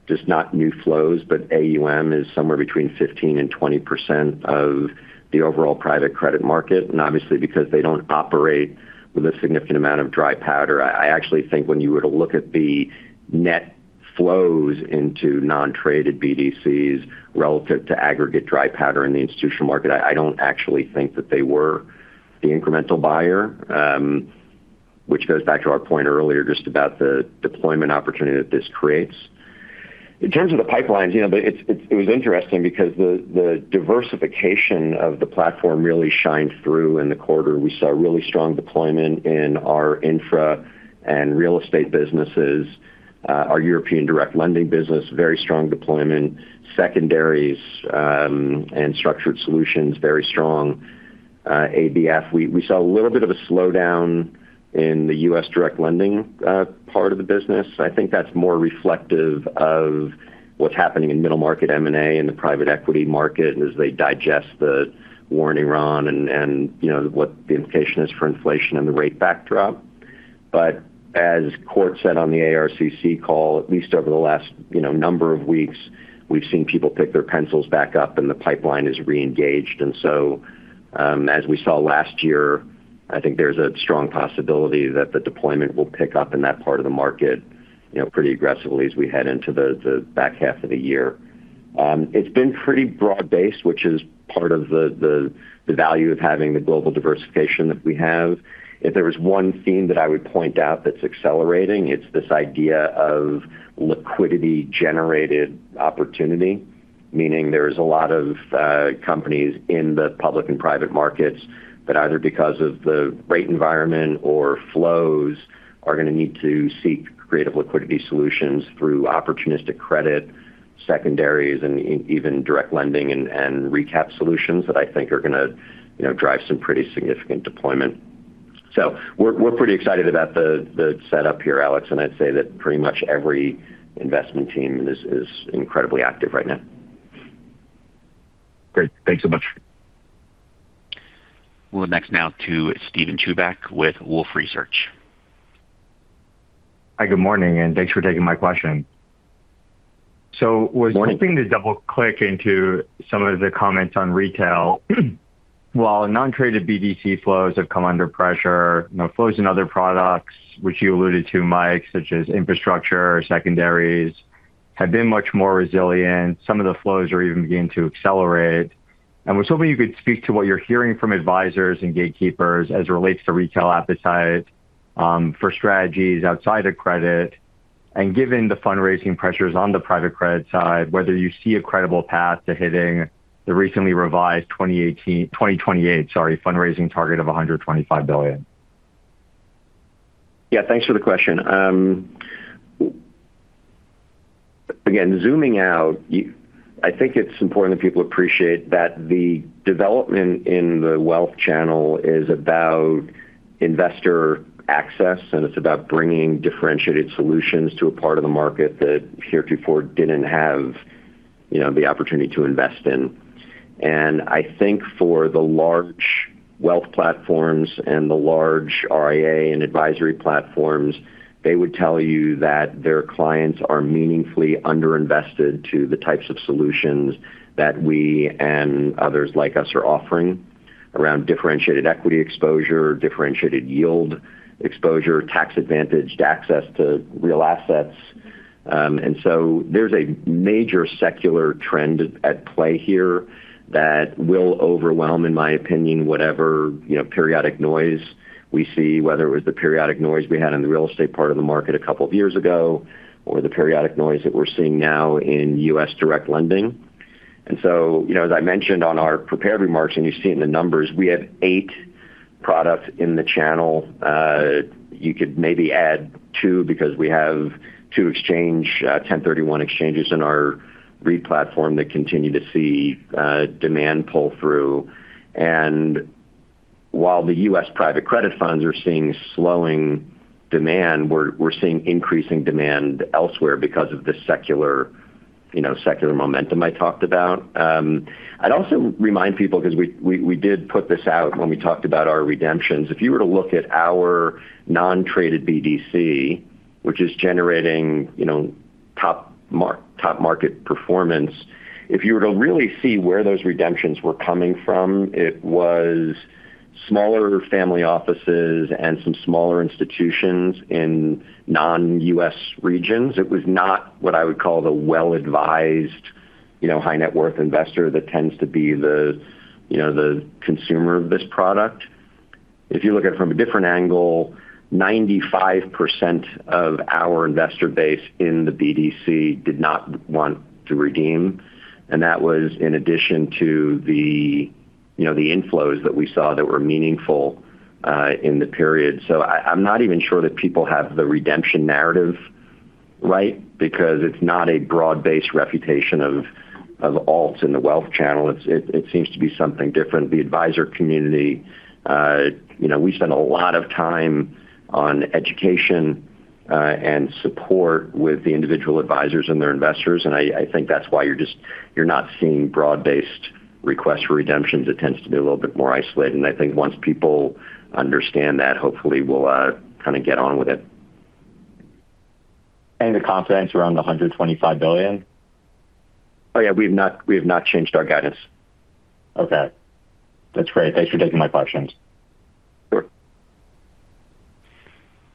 C: just not new flows, but AUM is somewhere between 15% and 20% of the overall private credit market. Obviously, because they don't operate with a significant amount of dry powder, I actually think when you were to look at the net flows into non-traded BDCs relative to aggregate dry powder in the institutional market, I don't actually think that they were the incremental buyer, which goes back to our point earlier just about the deployment opportunity that this creates. In terms of the pipelines, you know, it was interesting because the diversification of the platform really shined through in the quarter. We saw really strong deployment in our infra and real estate businesses. Our European direct lending business, very strong deployment. Secondaries and structured solutions, very strong. ABF, we saw a little bit of a slowdown in the U.S. direct lending part of the business. I think that's more reflective of what's happening in middle market M&A and the private equity market as they digest the war in Iran and, you know, what the implication is for inflation and the rate backdrop. As Kort said on the ARCC call, at least over the last, you know, number of weeks, we've seen people pick their pencils back up, and the pipeline is reengaged. As we saw last year, I think there's a strong possibility that the deployment will pick up in that part of the market, you know, pretty aggressively as we head into the back half of the year. It's been pretty broad-based, which is part of the value of having the global diversification that we have. If there was one theme that I would point out that's accelerating, it's this idea of liquidity-generated opportunity, meaning there's a lot of companies in the public and private markets that either because of the rate environment or flows are gonna need to seek creative liquidity solutions through opportunistic credit, secondaries, and even direct lending and recap solutions that I think are gonna, you know, drive some pretty significant deployment. We're pretty excited about the setup here, Alex, and I'd say that pretty much every investment team is incredibly active right now.
F: Great. Thanks so much.
A: We'll go next now to Steven Chubak with Wolfe Research.
G: Hi. Good morning, and thanks for taking my question.
C: Good morning.
G: Was hoping to double-click into some of the comments on retail. While non-traded BDC flows have come under pressure, you know, flows in other products, which you alluded to, Mike, such as infrastructure, secondaries, have been much more resilient. Some of the flows are even beginning to accelerate. And we're hoping you could speak to what you're hearing from advisors and gatekeepers as it relates to retail appetite for strategies outside of credit. And given the fundraising pressures on the private credit side, whether you see a credible path to hitting the recently revised 2028 fundraising target of $125 billion.
C: Yeah. Thanks for the question. Again, zooming out, I think it's important that people appreciate that the development in the wealth channel is about investor access, and it's about bringing differentiated solutions to a part of the market that heretofore didn't have, you know, the opportunity to invest in. I think for the large wealth platforms and the large RIA and advisory platforms, they would tell you that their clients are meaningfully underinvested to the types of solutions that we and others like us are offering around differentiated equity exposure, differentiated yield exposure, tax advantaged access to real assets. There's a major secular trend at play here that will overwhelm, in my opinion, whatever, you know, periodic noise we see, whether it was the periodic noise we had in the real estate part of the market a couple of years ago or the periodic noise that we're seeing now in U.S. direct lending. You know, as I mentioned on our prepared remarks, and you see it in the numbers, we have eight products in the channel. You could maybe add two because we have two exchange, 1031 exchanges in our REIT platform that continue to see demand pull through. While the U.S. private credit funds are seeing slowing demand, we're seeing increasing demand elsewhere because of the secular, you know, secular momentum I talked about. I'd also remind people because we did put this out when we talked about our redemptions. If you were to look at our non-traded BDC, which is generating, you know, top market performance. If you were to really see where those redemptions were coming from, it was smaller family offices and some smaller institutions in non-U.S. regions. It was not what I would call the well-advised, you know, high net worth investor that tends to be the, you know, the consumer of this product. If you look at it from a different angle, 95% of our investor base in the BDC did not want to redeem, and that was in addition to the, you know, the inflows that we saw that were meaningful in the period. I'm not even sure that people have the redemption narrative right because it's not a broad-based repudiation of alts in the wealth channel. It seems to be something different. The advisor community, you know, we spend a lot of time on education and support with the individual advisors and their investors. I think that's why you're just not seeing broad-based requests for redemptions. It tends to be a little bit more isolated. I think once people understand that, hopefully we'll kind of get on with it.
G: The confidence around the $125 billion?
C: Oh yeah, we have not changed our guidance.
G: Okay. That's great. Thanks for taking my questions.
C: Sure.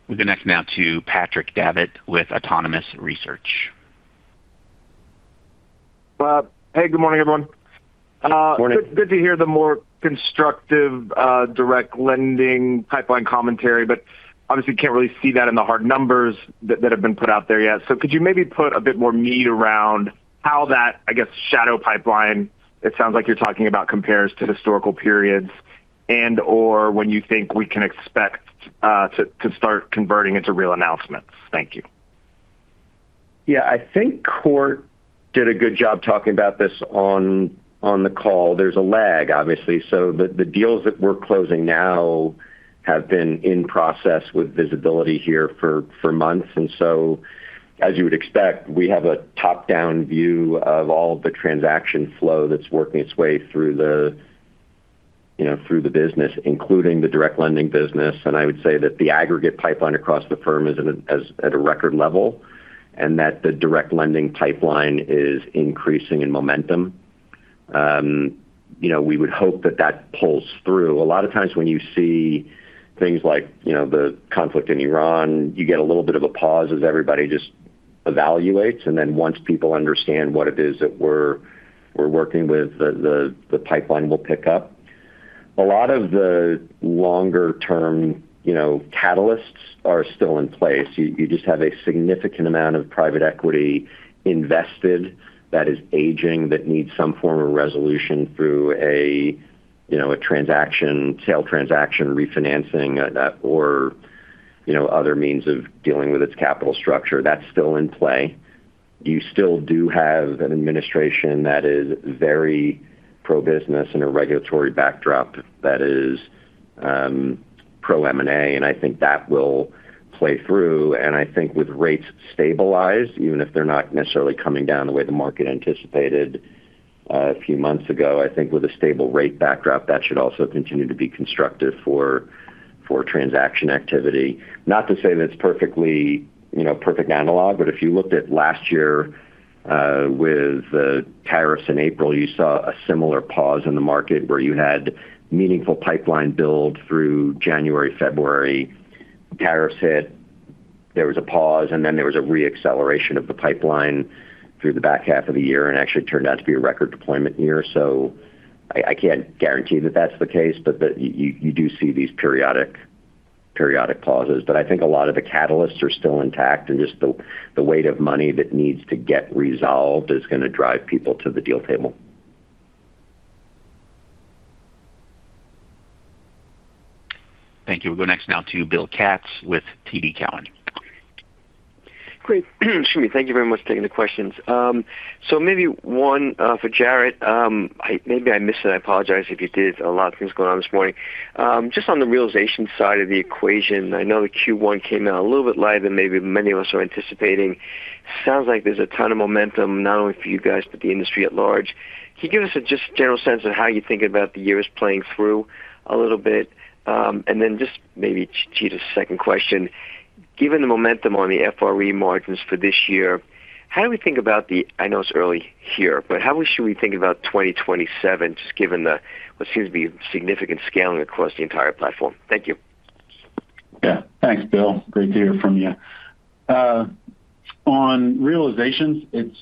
A: We connect now to Patrick Davitt with Autonomous Research.
H: Hey, good morning, everyone.
C: Morning.
H: Good to hear the more constructive direct lending pipeline commentary, obviously can't really see that in the hard numbers that have been put out there yet. Could you maybe put a bit more meat around how that, I guess, shadow pipeline it sounds like you're talking about compares to historical periods and/or when you think we can expect to start converting into real announcements? Thank you.
C: Yeah. I think Kort did a good job talking about this on the call. There's a lag obviously. The deals that we're closing now have been in process with visibility here for months. As you would expect, we have a top-down view of all the transaction flow that's working its way through, you know, through the business, including the direct lending business. I would say that the aggregate pipeline across the firm is at a record level, and that the direct lending pipeline is increasing in momentum. You know, we would hope that that pulls through. A lot of times when you see things like, you know, the conflict in Iran, you get a little bit of a pause as everybody just evaluates. Once people understand what it is that we're working with, the pipeline will pick up. A lot of the longer term, you know, catalysts are still in place. You just have a significant amount of private equity invested that is aging that needs some form of resolution through a, you know, a transaction, sale transaction refinancing, or, you know, other means of dealing with its capital structure. That's still in play. You still do have an administration that is very pro-business in a regulatory backdrop that is pro-M&A, and I think that will play through. I think with rates stabilized, even if they're not necessarily coming down the way the market anticipated a few months ago, I think with a stable rate backdrop, that should also continue to be constructive for transaction activity. Not to say that it's perfectly, you know, perfect analog, but if you looked at last year, with the tariffs in April, you saw a similar pause in the market where you had meaningful pipeline build through January, February. Tariffs hit, there was a pause, then there was a re-acceleration of the pipeline through the back half of the year and actually turned out to be a record deployment year. I can't guarantee that that's the case, but you do see these periodic pauses. I think a lot of the catalysts are still intact and just the weight of money that needs to get resolved is gonna drive people to the deal table.
A: Thank you. We'll go next now to Bill Katz with TD Cowen.
I: Great. Excuse me. Thank you very much for taking the questions. Maybe one for Jarrod Phillips. I maybe I missed it. I apologize if you did. A lot of things going on this morning. Just on the realization side of the equation, I know the Q1 came out a little bit lighter than maybe many of us are anticipating. Sounds like there's a ton of momentum, not only for you guys, but the industry at large. Can you give us a just general sense of how you think about the years playing through a little bit? Then just maybe cheat a second question. Given the momentum on the FRE margins for this year, how do we think about. I know it's early here, how should we think about 2027 just given the what seems to be significant scaling across the entire platform? Thank you.
D: Yeah. Thanks, Bill. Great to hear from you. On realizations, it's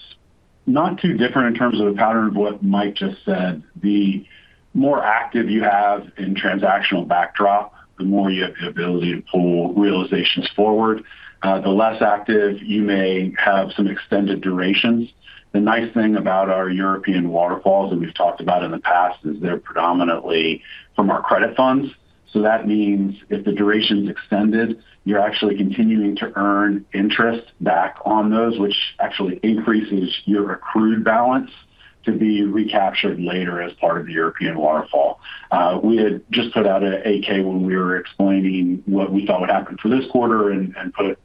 D: not too different in terms of the pattern of what Mike just said. The more active you have in transactional backdrop, the more you have the ability to pull realizations forward. The less active you may have some extended durations. The nice thing about our European waterfalls, and we've talked about in the past, is they're predominantly from our credit funds. That means if the duration's extended, you're actually continuing to earn interest back on those, which actually increases your accrued balance. To be recaptured later as part of the European waterfall. We had just put out an 8-K when we were explaining what we thought would happen for this quarter and put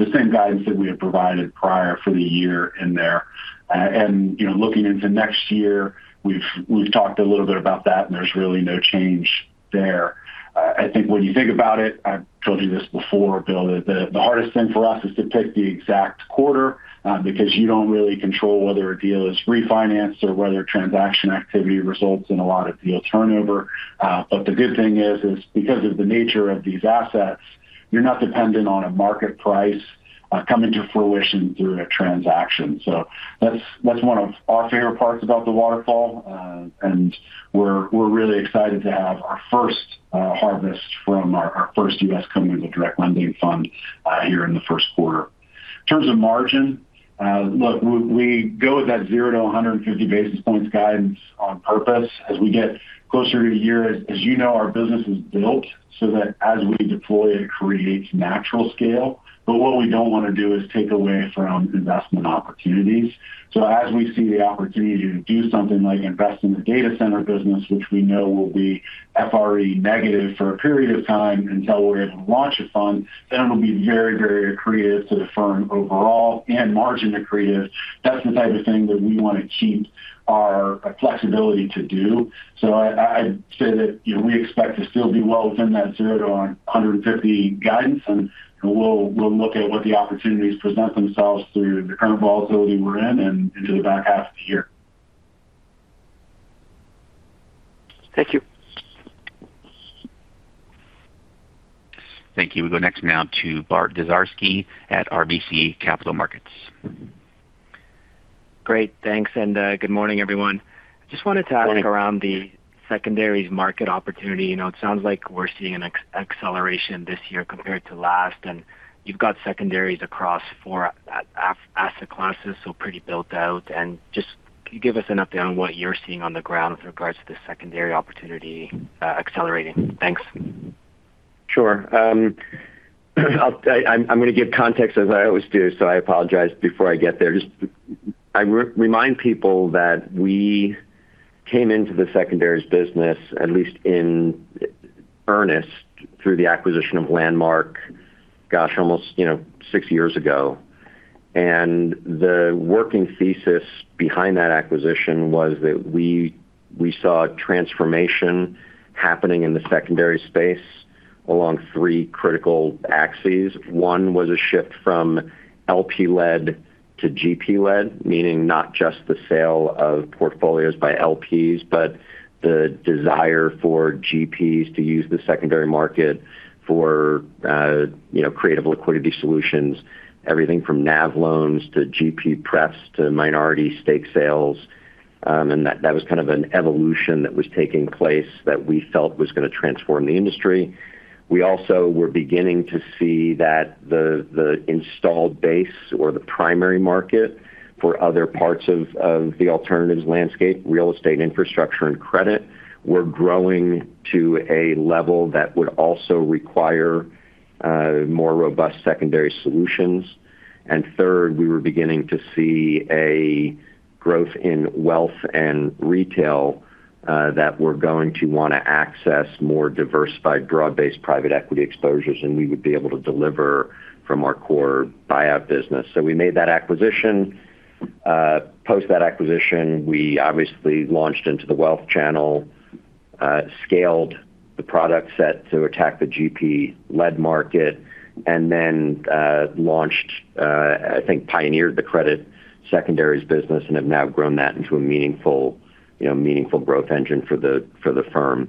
D: the same guidance that we had provided prior for the year in there. You know, looking into next year, we've talked a little bit about that, and there's really no change there. I think when you think about it, I've told you this before, Bill, the hardest thing for us is to pick the exact quarter because you don't really control whether a deal is refinanced or whether transaction activity results in a lot of deal turnover. The good thing is because of the nature of these assets, you're not dependent on a market price coming to fruition through a transaction. That's one of our favorite parts about the waterfall. And we're really excited to have our first harvest from our first U.S. communal direct lending fund here in the first quarter. In terms of margin, look, we go with that 0-150 basis points guidance on purpose. As we get closer to year, as you know, our business is built so that as we deploy, it creates natural scale. What we don't wanna do is take away from investment opportunities. As we see the opportunity to do something like invest in the data center business, which we know will be FRE negative for a period of time until we're able to launch a fund, then it'll be very, very accretive to the firm overall and margin accretive. That's the type of thing that we want to keep our flexibility to do. I'd say that, you know, we expect to still be well within that 0-150 guidance, and we'll look at what the opportunities present themselves through the current volatility we're in and into the back half of the year.
I: Thank you.
A: Thank you. We'll go next now to Bart Dziarski at RBC Capital Markets.
J: Great. Thanks. Good morning, everyone.
C: Morning.
J: Ask around the secondaries market opportunity. You know, it sounds like we're seeing an acceleration this year compared to last, and you've got secondaries across four asset classes, so pretty built out. Just can you give us an update on what you're seeing on the ground with regards to the secondary opportunity accelerating? Thanks.
C: Sure. I'm gonna give context as I always do, so I apologize before I get there. Just I remind people that we came into the secondaries business, at least in earnest, through the acquisition of Landmark, gosh, almost, you know, six years ago. The working thesis behind that acquisition was that we saw a transformation happening in the secondary space along three critical axes. One was a shift from LP-led to GP-led, meaning not just the sale of portfolios by LPs, but the desire for GPs to use the secondary market for, you know, creative liquidity solutions, everything from NAV loans to GP pref to minority stake sales. That was kind of an evolution that was taking place that we felt was gonna transform the industry. We also were beginning to see that the installed base or the primary market for other parts of the alternatives landscape, real estate, infrastructure, and credit, were growing to a level that would also require more robust secondary solutions. Third, we were beginning to see a growth in wealth and retail that were going to wanna access more diversified draw-based private equity exposures, and we would be able to deliver from our core buyout business. We made that acquisition. Post that acquisition, we obviously launched into the wealth channel, scaled the product set to attack the GP-led market, then launched, I think pioneered the credit secondaries business and have now grown that into a meaningful, you know, meaningful growth engine for the, for the firm.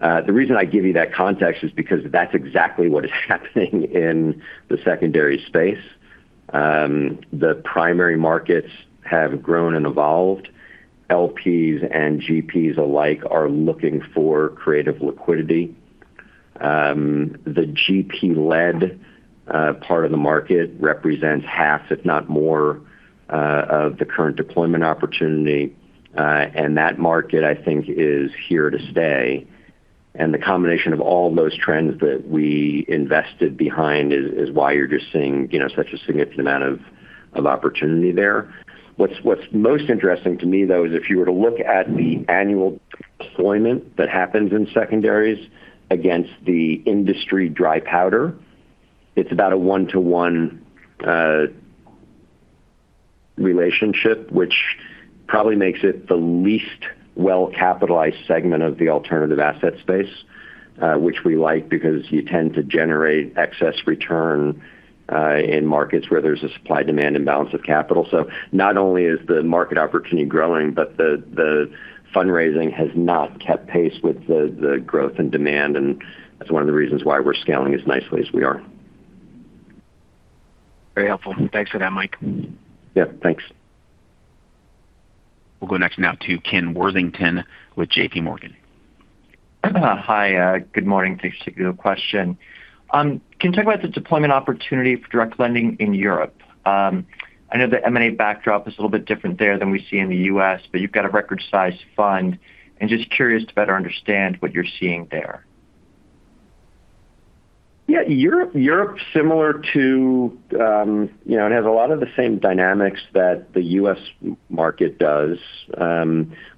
C: The reason I give you that context is because that's exactly what is happening in the secondary space. The primary markets have grown and evolved. LPs and GPs alike are looking for creative liquidity. The GP-led part of the market represents half, if not more, of the current deployment opportunity. That market, I think, is here to stay. The combination of all those trends that we invested behind is why you're just seeing, you know, such a significant amount of opportunity there. What's most interesting to me, though, is if you were to look at the annual deployment that happens in secondaries against the industry dry powder, it's about a 1-to-1 relationship, which probably makes it the least well-capitalized segment of the alternative asset space, which we like because you tend to generate excess return in markets where there's a supply-demand imbalance of capital. Not only is the market opportunity growing, but the fundraising has not kept pace with the growth and demand, and that's one of the reasons why we're scaling as nicely as we are.
J: Very helpful. Thanks for that, Mike.
C: Yeah. Thanks.
A: We'll go next now to Ken Worthington with JPMorgan.
K: Hi. Good morning. Thanks. A good question. Can you talk about the deployment opportunity for direct lending in Europe? I know the M&A backdrop is a little bit different there than we see in the U.S., but you've got a record size fund, and just curious to better understand what you're seeing there.
C: Yeah, Europe similar to, you know, it has a lot of the same dynamics that the U.S. market does.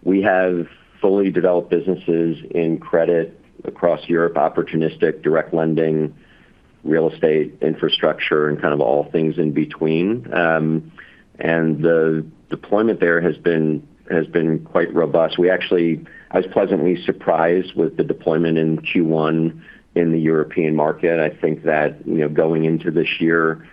C: We have fully developed businesses in credit across Europe, opportunistic direct lending, real estate infrastructure, and kind of all things in between. The deployment there has been quite robust. I was pleasantly surprised with the deployment in Q1 in the European market. I think that, you know, going into this year,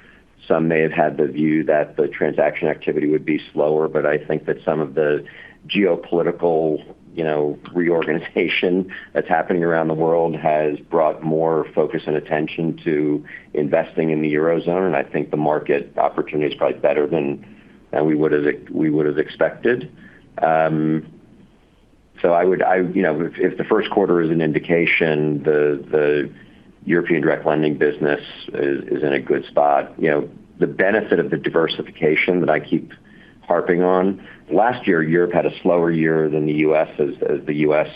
C: some may have had the view that the transaction activity would be slower, but I think that some of the geopolitical, you know, reorganization that's happening around the world has brought more focus and attention to investing in the Eurozone. I think the market opportunity is probably better than we would've expected. You know, if the first quarter is an indication, the European direct lending business is in a good spot. You know, the benefit of the diversification that I keep harping on. Last year, Europe had a slower year than the U.S. as the U.S.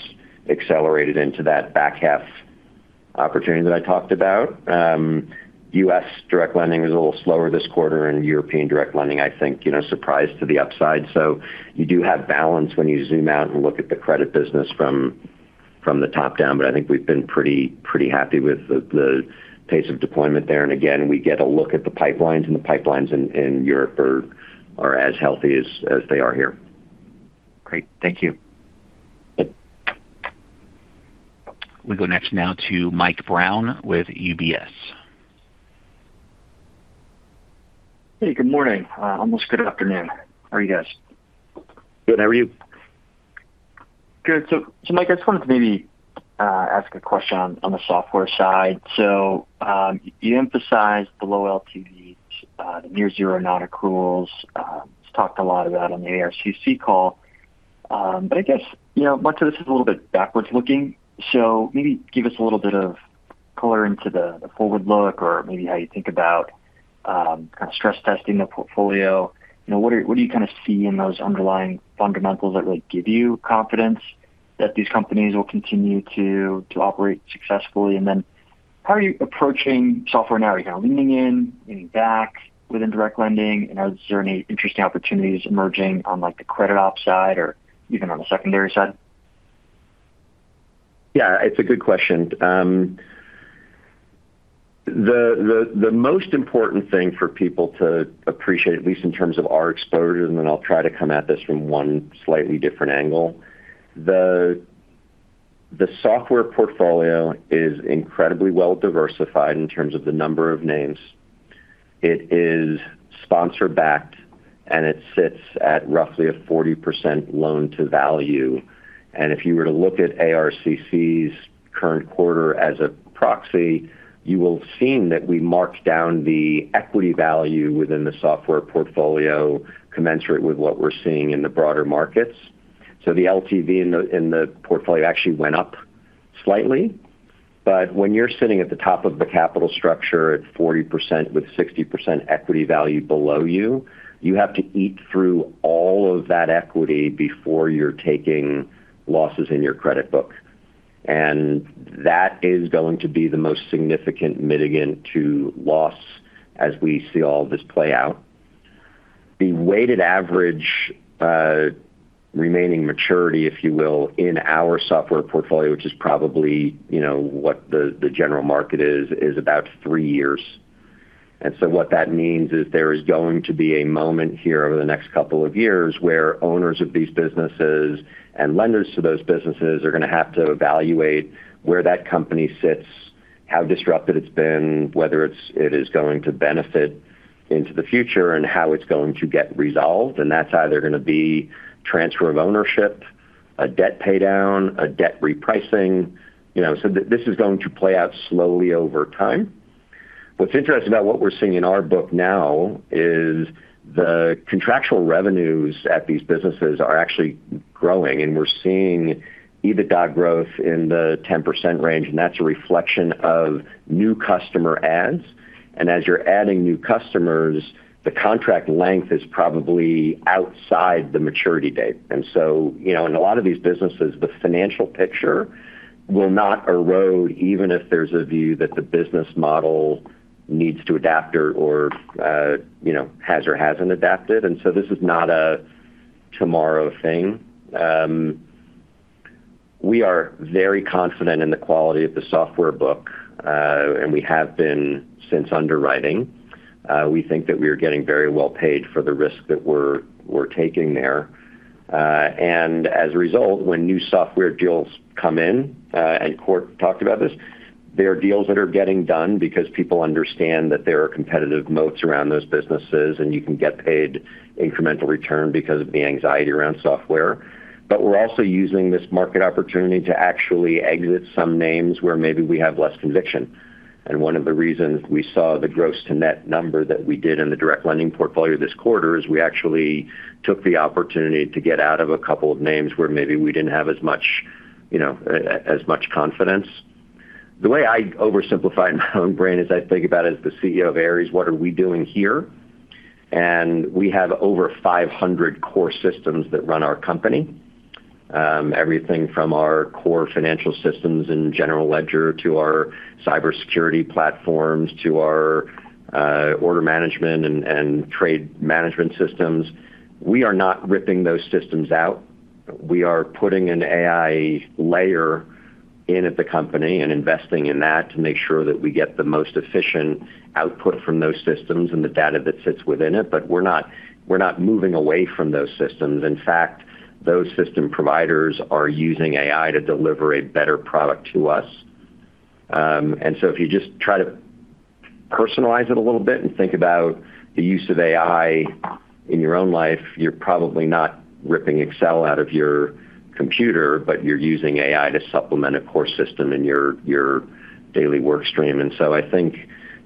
C: accelerated into that back half opportunity that I talked about. U.S. direct lending was a little slower this quarter, European direct lending, I think, you know, surprised to the upside. You do have balance when you zoom out and look at the credit business from the top down. I think we've been pretty happy with the pace of deployment there. Again, we get a look at the pipelines, the pipelines in Europe are as healthy as they are here.
K: Great. Thank you.
A: We go next now to Mike Brown with UBS.
L: Hey, good morning. Almost good afternoon. How are you guys?
C: Good. How are you?
L: Good. Mike, I just wanted to maybe ask a question on the software side. You emphasized the low LTVs, the near zero non-accruals. It's talked a lot about on the ARCC call. I guess, you know, much of this is a little bit backwards looking. Maybe give us a little bit of color into the forward look or maybe how you think about kind of stress-testing the portfolio. You know, what do you kind of see in those underlying fundamentals that like give you confidence that these companies will continue to operate successfully? How are you approaching software now? Are you kind of leaning in, leaning back within direct lending? You know, is there any interesting opportunities emerging on like the credit ops side or even on the secondary side?
C: Yeah, it's a good question. The most important thing for people to appreciate, at least in terms of our exposure, then I'll try to come at this from one slightly different angle. The software portfolio is incredibly well diversified in terms of the number of names. It is sponsor backed, it sits at roughly a 40% loan to value. If you were to look at ARCC's current quarter as a proxy, you will have seen that we marked down the equity value within the software portfolio commensurate with what we're seeing in the broader markets. The LTV in the portfolio actually went up slightly. When you're sitting at the top of the capital structure at 40% with 60% equity value below you have to eat through all of that equity before you're taking losses in your credit book. That is going to be the most significant mitigant to loss as we see all this play out. The weighted average remaining maturity, if you will, in our software portfolio, which is probably, you know, what the general market is about three years. What that means is there is going to be a moment here over the next couple of years where owners of these businesses and lenders to those businesses are gonna have to evaluate where that company sits, how disrupted it's been, whether it is going to benefit into the future and how it's going to get resolved. That's either gonna be transfer of ownership, a debt pay down, a debt repricing. You know, this is going to play out slowly over time. What's interesting about what we're seeing in our book now is the contractual revenues at these businesses are actually growing, and we're seeing EBITDA growth in the 10% range, and that's a reflection of new customer adds. As you're adding new customers, the contract length is probably outside the maturity date. You know, in a lot of these businesses, the financial picture will not erode even if there's a view that the business model needs to adapt or, you know, has or hasn't adapted. This is not a tomorrow thing. We are very confident in the quality of the software book, and we have been since underwriting. We think that we are getting very well paid for the risk that we're taking there. As a result, when new software deals come in, Kort talked about this, there are deals that are getting done because people understand that there are competitive moats around those businesses, and you can get paid incremental return because of the anxiety around software. We're also using this market opportunity to actually exit some names where maybe we have less conviction. One of the reasons we saw the gross to net number that we did in the direct lending portfolio this quarter is we actually took the opportunity to get out of a couple of names where maybe we didn't have as much, you know, as much confidence. The way I oversimplify in my own brain is I think about as the CEO of Ares, what are we doing here? We have over 500 core systems that run our company. Everything from our core financial systems and general ledger to our cybersecurity platforms to our order management and trade management systems. We are not ripping those systems out. We are putting an AI layer in at the company and investing in that to make sure that we get the most efficient output from those systems and the data that sits within it. We're not moving away from those systems. In fact, those system providers are using AI to deliver a better product to us. If you just try to personalize it a little bit and think about the use of AI in your own life, you're probably not ripping Excel out of your computer, but you're using AI to supplement a core system in your daily work stream. I think,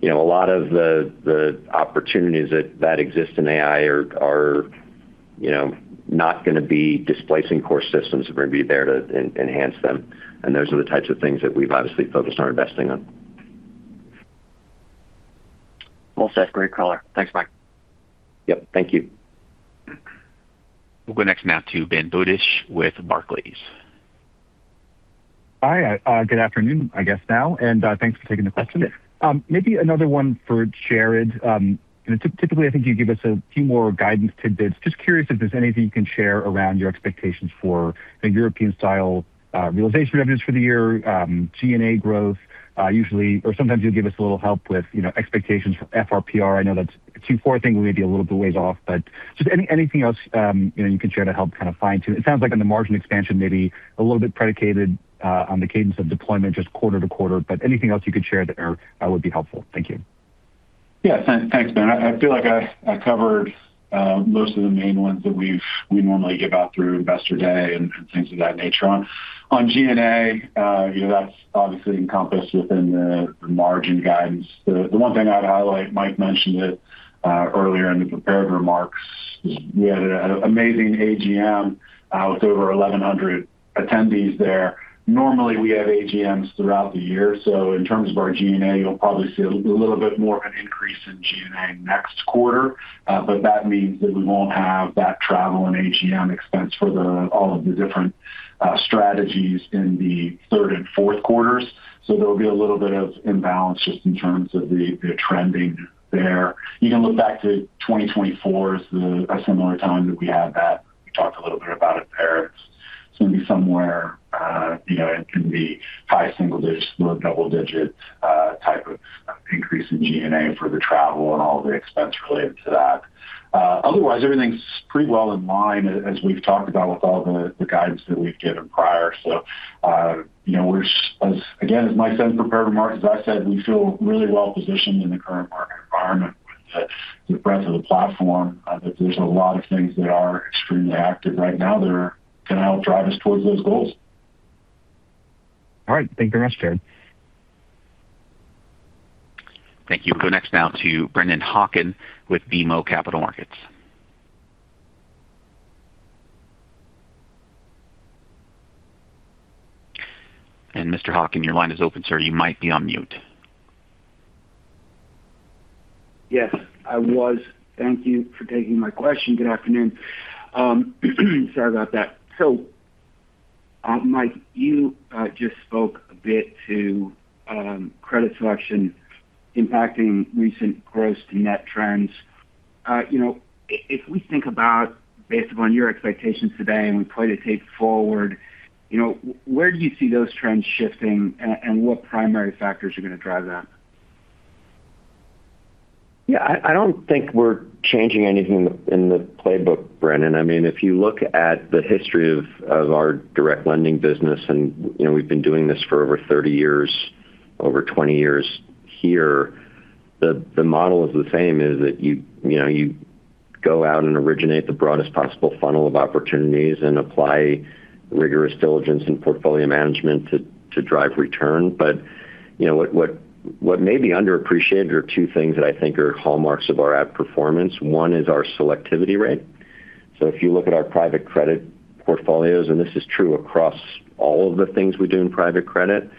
C: you know, a lot of the opportunities that exist in AI are, you know, not gonna be displacing core systems. They're gonna be there to enhance them. Those are the types of things that we've obviously focused on investing on.
L: Well said. Great color. Thanks, Mike.
C: Yep. Thank you.
A: We'll go next now to Ben Budish with Barclays.
M: Hi. Good afternoon, I guess now. Thanks for taking the question. Maybe another one for Jarrod. You know, typically, I think you give us a few more guidance tidbits. Just curious if there's anything you can share around your expectations for the European-style realization revenues for the year, G&A growth? Usually or sometimes you'll give us a little help with, you know, expectations for FRPR. I know that's a Q4 thing. We may be a little bit ways off, but just anything else, you know, you can share to help kind of fine-tune. It sounds like on the margin expansion, maybe a little bit predicated on the cadence of deployment just quarter to quarter. Anything else you could share that would be helpful? Thank you.
D: Yeah. Thanks, Ben. I feel like I covered most of the main ones that we normally give out through Investor Day and things of that nature. On G&A, you know, that's obviously encompassed within the margin guidance. The one thing I'd highlight, Mike mentioned it earlier in the prepared remarks, we had an amazing AGM with over 1,100 attendees there. Normally, we have AGMs throughout the year. So in terms of our G&A, you'll probably see a little bit more of an increase in G&A next quarter. But that means that we won't have that travel and AGM expense for all of the different strategies in the third and fourth quarters. There'll be a little bit of imbalance just in terms of the trending there. You can look back to 2024 as a similar time that we had that. We talked a little bit about it there. It's gonna be somewhere, you know, in the high single digits, low double digit, type of increase in G&A for the travel and all the expense related to that. Otherwise, everything's pretty well in line as we've talked about with all the guidance that we've given prior. You know, we're again, as Mike said in the prepared remarks, as I said, we feel really well positioned in the current market environment with the breadth of the platform. That there's a lot of things that are extremely active right now that are gonna help drive us towards those goals.
M: All right. Thank very much, Jarrod.
A: Thank you. We'll go next now to Brennan Hawken with BMO Capital Markets. Mr. Hawken, your line is open, sir. You might be on mute.
N: Yes, I was. Thank you for taking my question. Good afternoon. Sorry about that. Mike, you just spoke a bit to credit selection impacting recent gross to net trends. You know, if we think about based upon your expectations today and we play the tape forward, you know, where do you see those trends shifting and what primary factors are going to drive that?
C: Yeah. I don't think we're changing anything in the playbook, Brendan. I mean, if you look at the history of our direct lending business, and, you know, we've been doing this for over 30 years, over 20 years here. The model is the same, is that you know, you go out and originate the broadest possible funnel of opportunities and apply rigorous diligence and portfolio management to drive return. But, you know, what may be underappreciated are two things that I think are hallmarks of our outperformance. One is our selectivity rate. So if you look at our private credit portfolios, and this is true across all of the things we do in private credit,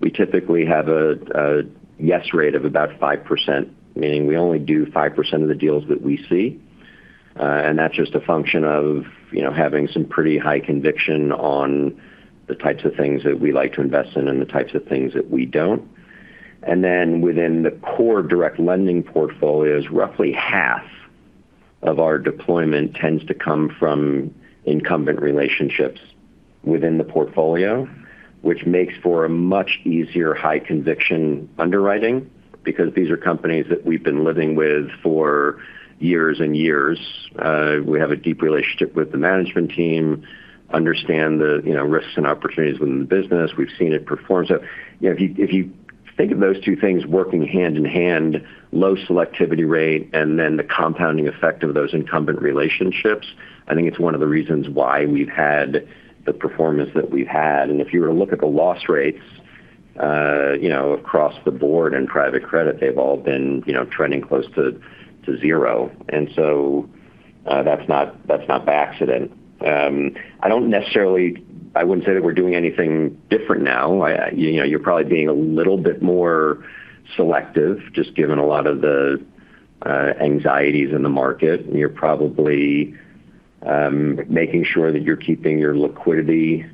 C: we typically have a yes rate of about 5%, meaning we only do 5% of the deals that we see. That's just a function of, you know, having some pretty high conviction on the types of things that we like to invest in and the types of things that we don't. Then within the core direct lending portfolios, roughly half of our deployment tends to come from incumbent relationships within the portfolio, which makes for a much easier high conviction underwriting because these are companies that we've been living with for years and years. We have a deep relationship with the management team, understand the, you know, risks and opportunities within the business. We've seen it perform. You know, if you think of those two things working hand in hand, low selectivity rate, and then the compounding effect of those incumbent relationships, I think it's one of the reasons why we've had the performance that we've had. If you were to look at the loss rates, you know, across the board in private credit, they've all been, you know, trending close to zero. That's not, that's not by accident. I wouldn't say that we're doing anything different now. You know, you're probably being a little bit more selective just given a lot of the anxieties in the market. You're probably making sure that you're keeping your liquidity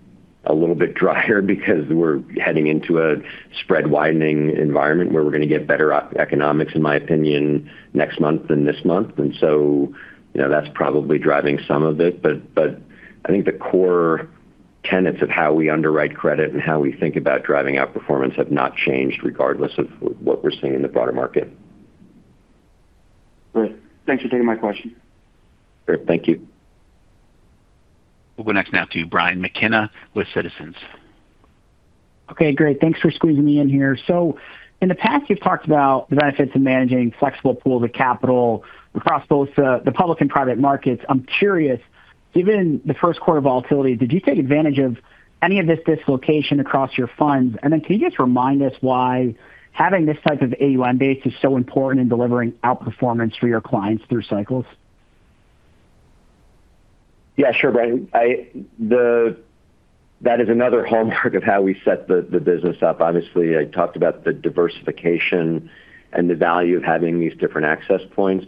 C: a little bit drier because we're heading into a spread-widening environment where we're gonna get better economics, in my opinion, next month than this month. You know, that's probably driving some of it. But I think the core tenets of how we underwrite credit and how we think about driving outperformance have not changed regardless of what we're seeing in the broader market.
N: Great. Thanks for taking my question.
C: Great. Thank you.
A: We'll go next now to Brian McKenna with Citizens.
O: Okay, great. Thanks for squeezing me in here. In the past, you've talked about the benefits of managing flexible pools of capital across both the public and private markets. I'm curious, given the first quarter volatility, did you take advantage of any of this dislocation across your funds? Can you just remind us why having this type of AUM base is so important in delivering outperformance for your clients through cycles?
C: Yeah, sure, Brian. That is another hallmark of how we set the business up. Obviously, I talked about the diversification and the value of having these different access points.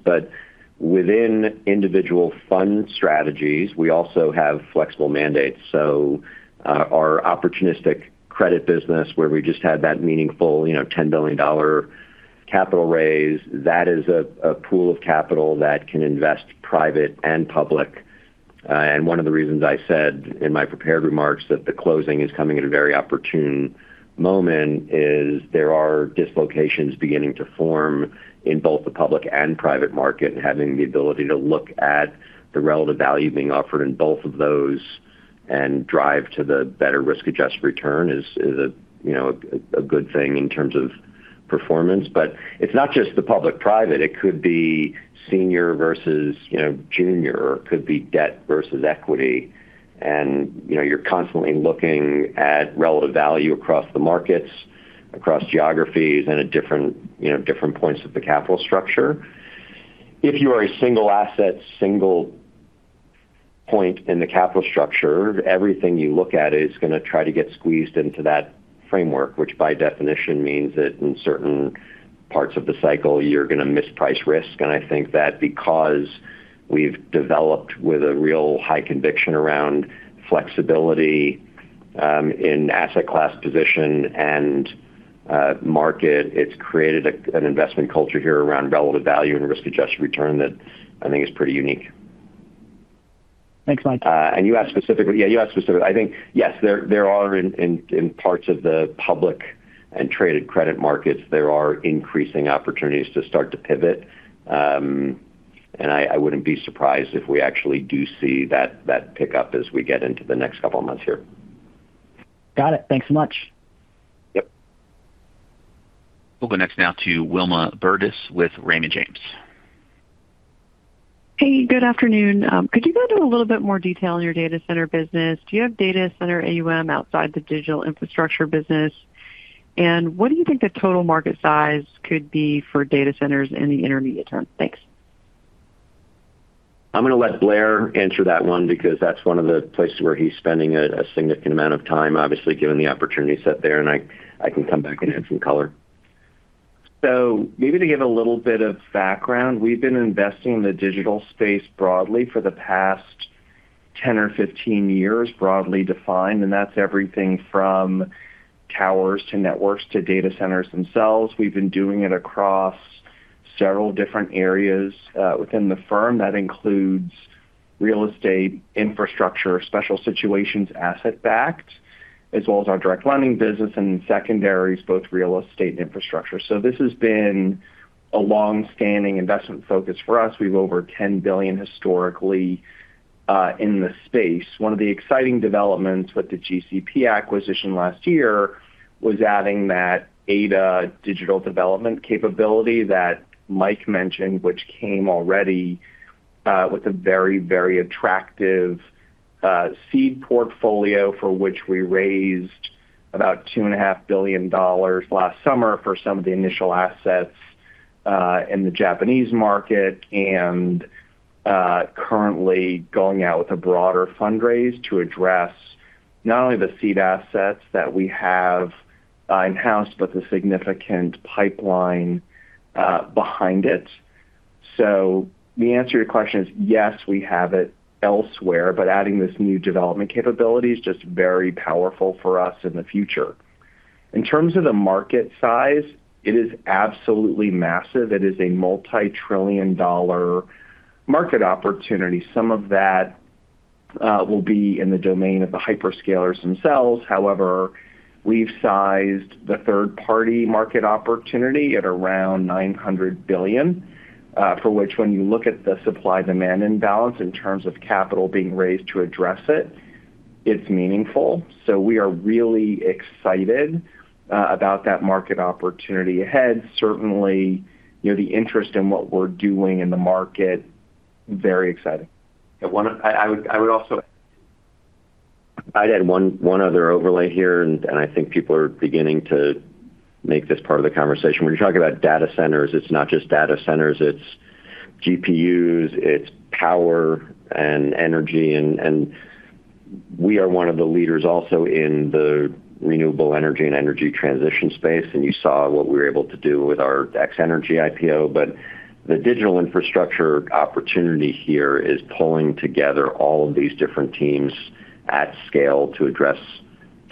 C: Within individual fund strategies, we also have flexible mandates. Our opportunistic credit business, where we just had that meaningful, you know, $10 billion capital raise, that is a pool of capital that can invest private and public. One of the reasons I said in my prepared remarks that the closing is coming at a very opportune moment is there are dislocations beginning to form in both the public and private market. Having the ability to look at the relative value being offered in both of those and drive to the better risk-adjusted return is a, you know, a good thing in terms of performance. It's not just the public-private. It could be senior versus, you know, junior, or it could be debt versus equity. You know, you're constantly looking at relative value across the markets, across geographies, and at different, you know, different points of the capital structure. If you are a single asset, single point in the capital structure, everything you look at is gonna try to get squeezed into that framework, which by definition means that in certain parts of the cycle you're gonna misprice risk. I think that because we've developed with a real high conviction around flexibility, in asset class position and market, it's created a, an investment culture here around relative value and risk-adjusted return that I think is pretty unique.
O: Thanks, Mike.
C: You asked specifically. Yeah, you asked specifically. I think, yes, there are in parts of the public and traded credit markets, there are increasing opportunities to start to pivot. I wouldn't be surprised if we actually do see that pick up as we get into the next couple of months here.
O: Got it. Thanks so much.
C: Yep.
A: We'll go next now to Wilma Burdis with Raymond James.
P: Hey, good afternoon. Could you go into a little bit more detail on your data center business? Do you have data center AUM outside the digital infrastructure business? What do you think the total market size could be for data centers in the intermediate term? Thanks.
C: I'm gonna let Blair answer that one because that's one of the places where he's spending a significant amount of time, obviously, given the opportunity set there, and I can come back and add some color.
Q: Maybe to give a little bit of background, we've been investing in the digital space broadly for the past 10 or 15 years, broadly defined, and that's everything from towers to networks to data centers themselves. We've been doing it across several different areas within the firm. That includes real estate, infrastructure, special situations, asset-backed, as well as our direct lending business and secondaries, both real estate and infrastructure. This has been a longstanding investment focus for us. We have over $10 billion historically in the space. One of the exciting developments with the GCP acquisition last year was adding that Ada digital development capability that Mike mentioned, which came already with a very, very attractive seed portfolio for which we raised about $2.5 billion last summer for some of the initial assets in the Japanese market. Currently going out with a broader fundraise to address not only the seed assets that we have in-house, but the significant pipeline behind it. The answer to your question is, yes, we have it elsewhere, but adding this new development capability is just very powerful for us in the future. In terms of the market size, it is absolutely massive. It is a multi-trillion dollar market opportunity. Some of that will be in the domain of the hyperscalers themselves. However, we've sized the third-party market opportunity at around $900 billion, for which when you look at the supply-demand imbalance in terms of capital being raised to address it's meaningful. We are really excited about that market opportunity ahead. Certainly, you know, the interest in what we're doing in the market, very exciting.
C: Yeah. I would also add one other overlay here, and I think people are beginning to make this part of the conversation. When you're talking about data centers, it's not just data centers, it's GPUs, it's power and energy and we are one of the leaders also in the renewable energy and energy transition space, and you saw what we were able to do with our X-energy IPO. The digital infrastructure opportunity here is pulling together all of these different teams at scale to address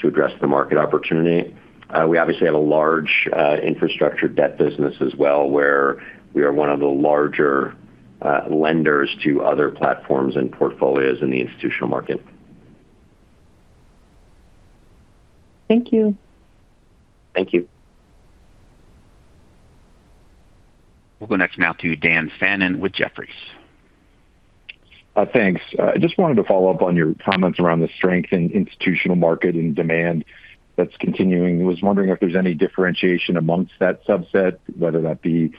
C: the market opportunity. We obviously have a large infrastructure debt business as well, where we are one of the larger lenders to other platforms and portfolios in the institutional market.
P: Thank you.
C: Thank you.
A: We'll go next now to Dan Fannon with Jefferies.
R: Thanks. I just wanted to follow up on your comments around the strength in institutional market and demand that's continuing. Was wondering if there's any differentiation amongst that subset, whether that be,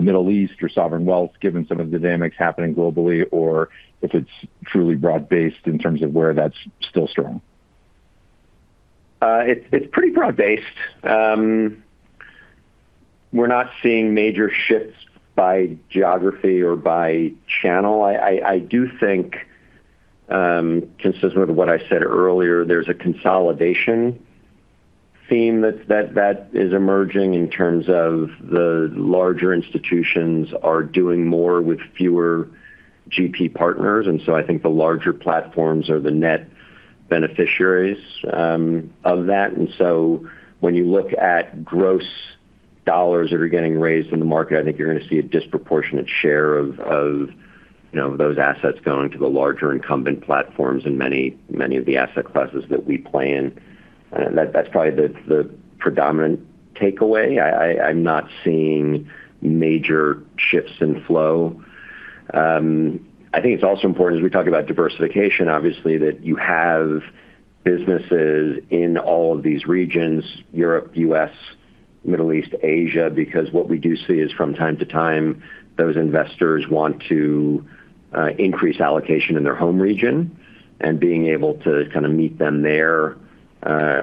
R: Middle East or sovereign wealth, given some of the dynamics happening globally, or if it's truly broad-based in terms of where that's still strong?
C: It's, it's pretty broad-based. We're not seeing major shifts by geography or by channel. I, I do think, consistent with what I said earlier, there's a consolidation theme that is emerging in terms of the larger institutions are doing more with fewer GP partners. I think the larger platforms are the net beneficiaries of that. When you look at gross dollars that are getting raised in the market, I think you're gonna see a disproportionate share of, you know, those assets going to the larger incumbent platforms in many of the asset classes that we play in. That's probably the predominant takeaway. I, I'm not seeing major shifts in flow. I think it's also important as we talk about diversification, obviously, that you have businesses in all of these regions, Europe, U.S., Middle East, Asia, because what we do see is from time to time, those investors want to increase allocation in their home region, and being able to kind of meet them there,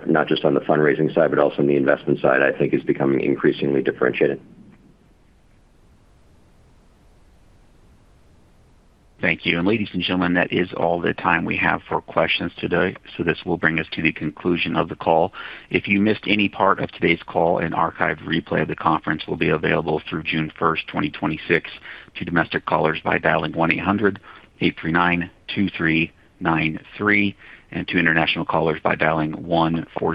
C: not just on the fundraising side, but also on the investment side, I think is becoming increasingly differentiated.
A: Thank you. Ladies and gentlemen, that is all the time we have for questions today. This will bring us to the conclusion of the call. If you missed any part of today's call, an archived replay of the conference will be available through June 1st, 2026 to domestic callers by dialing 1-800-839-2393 and to international callers by dialing 1-41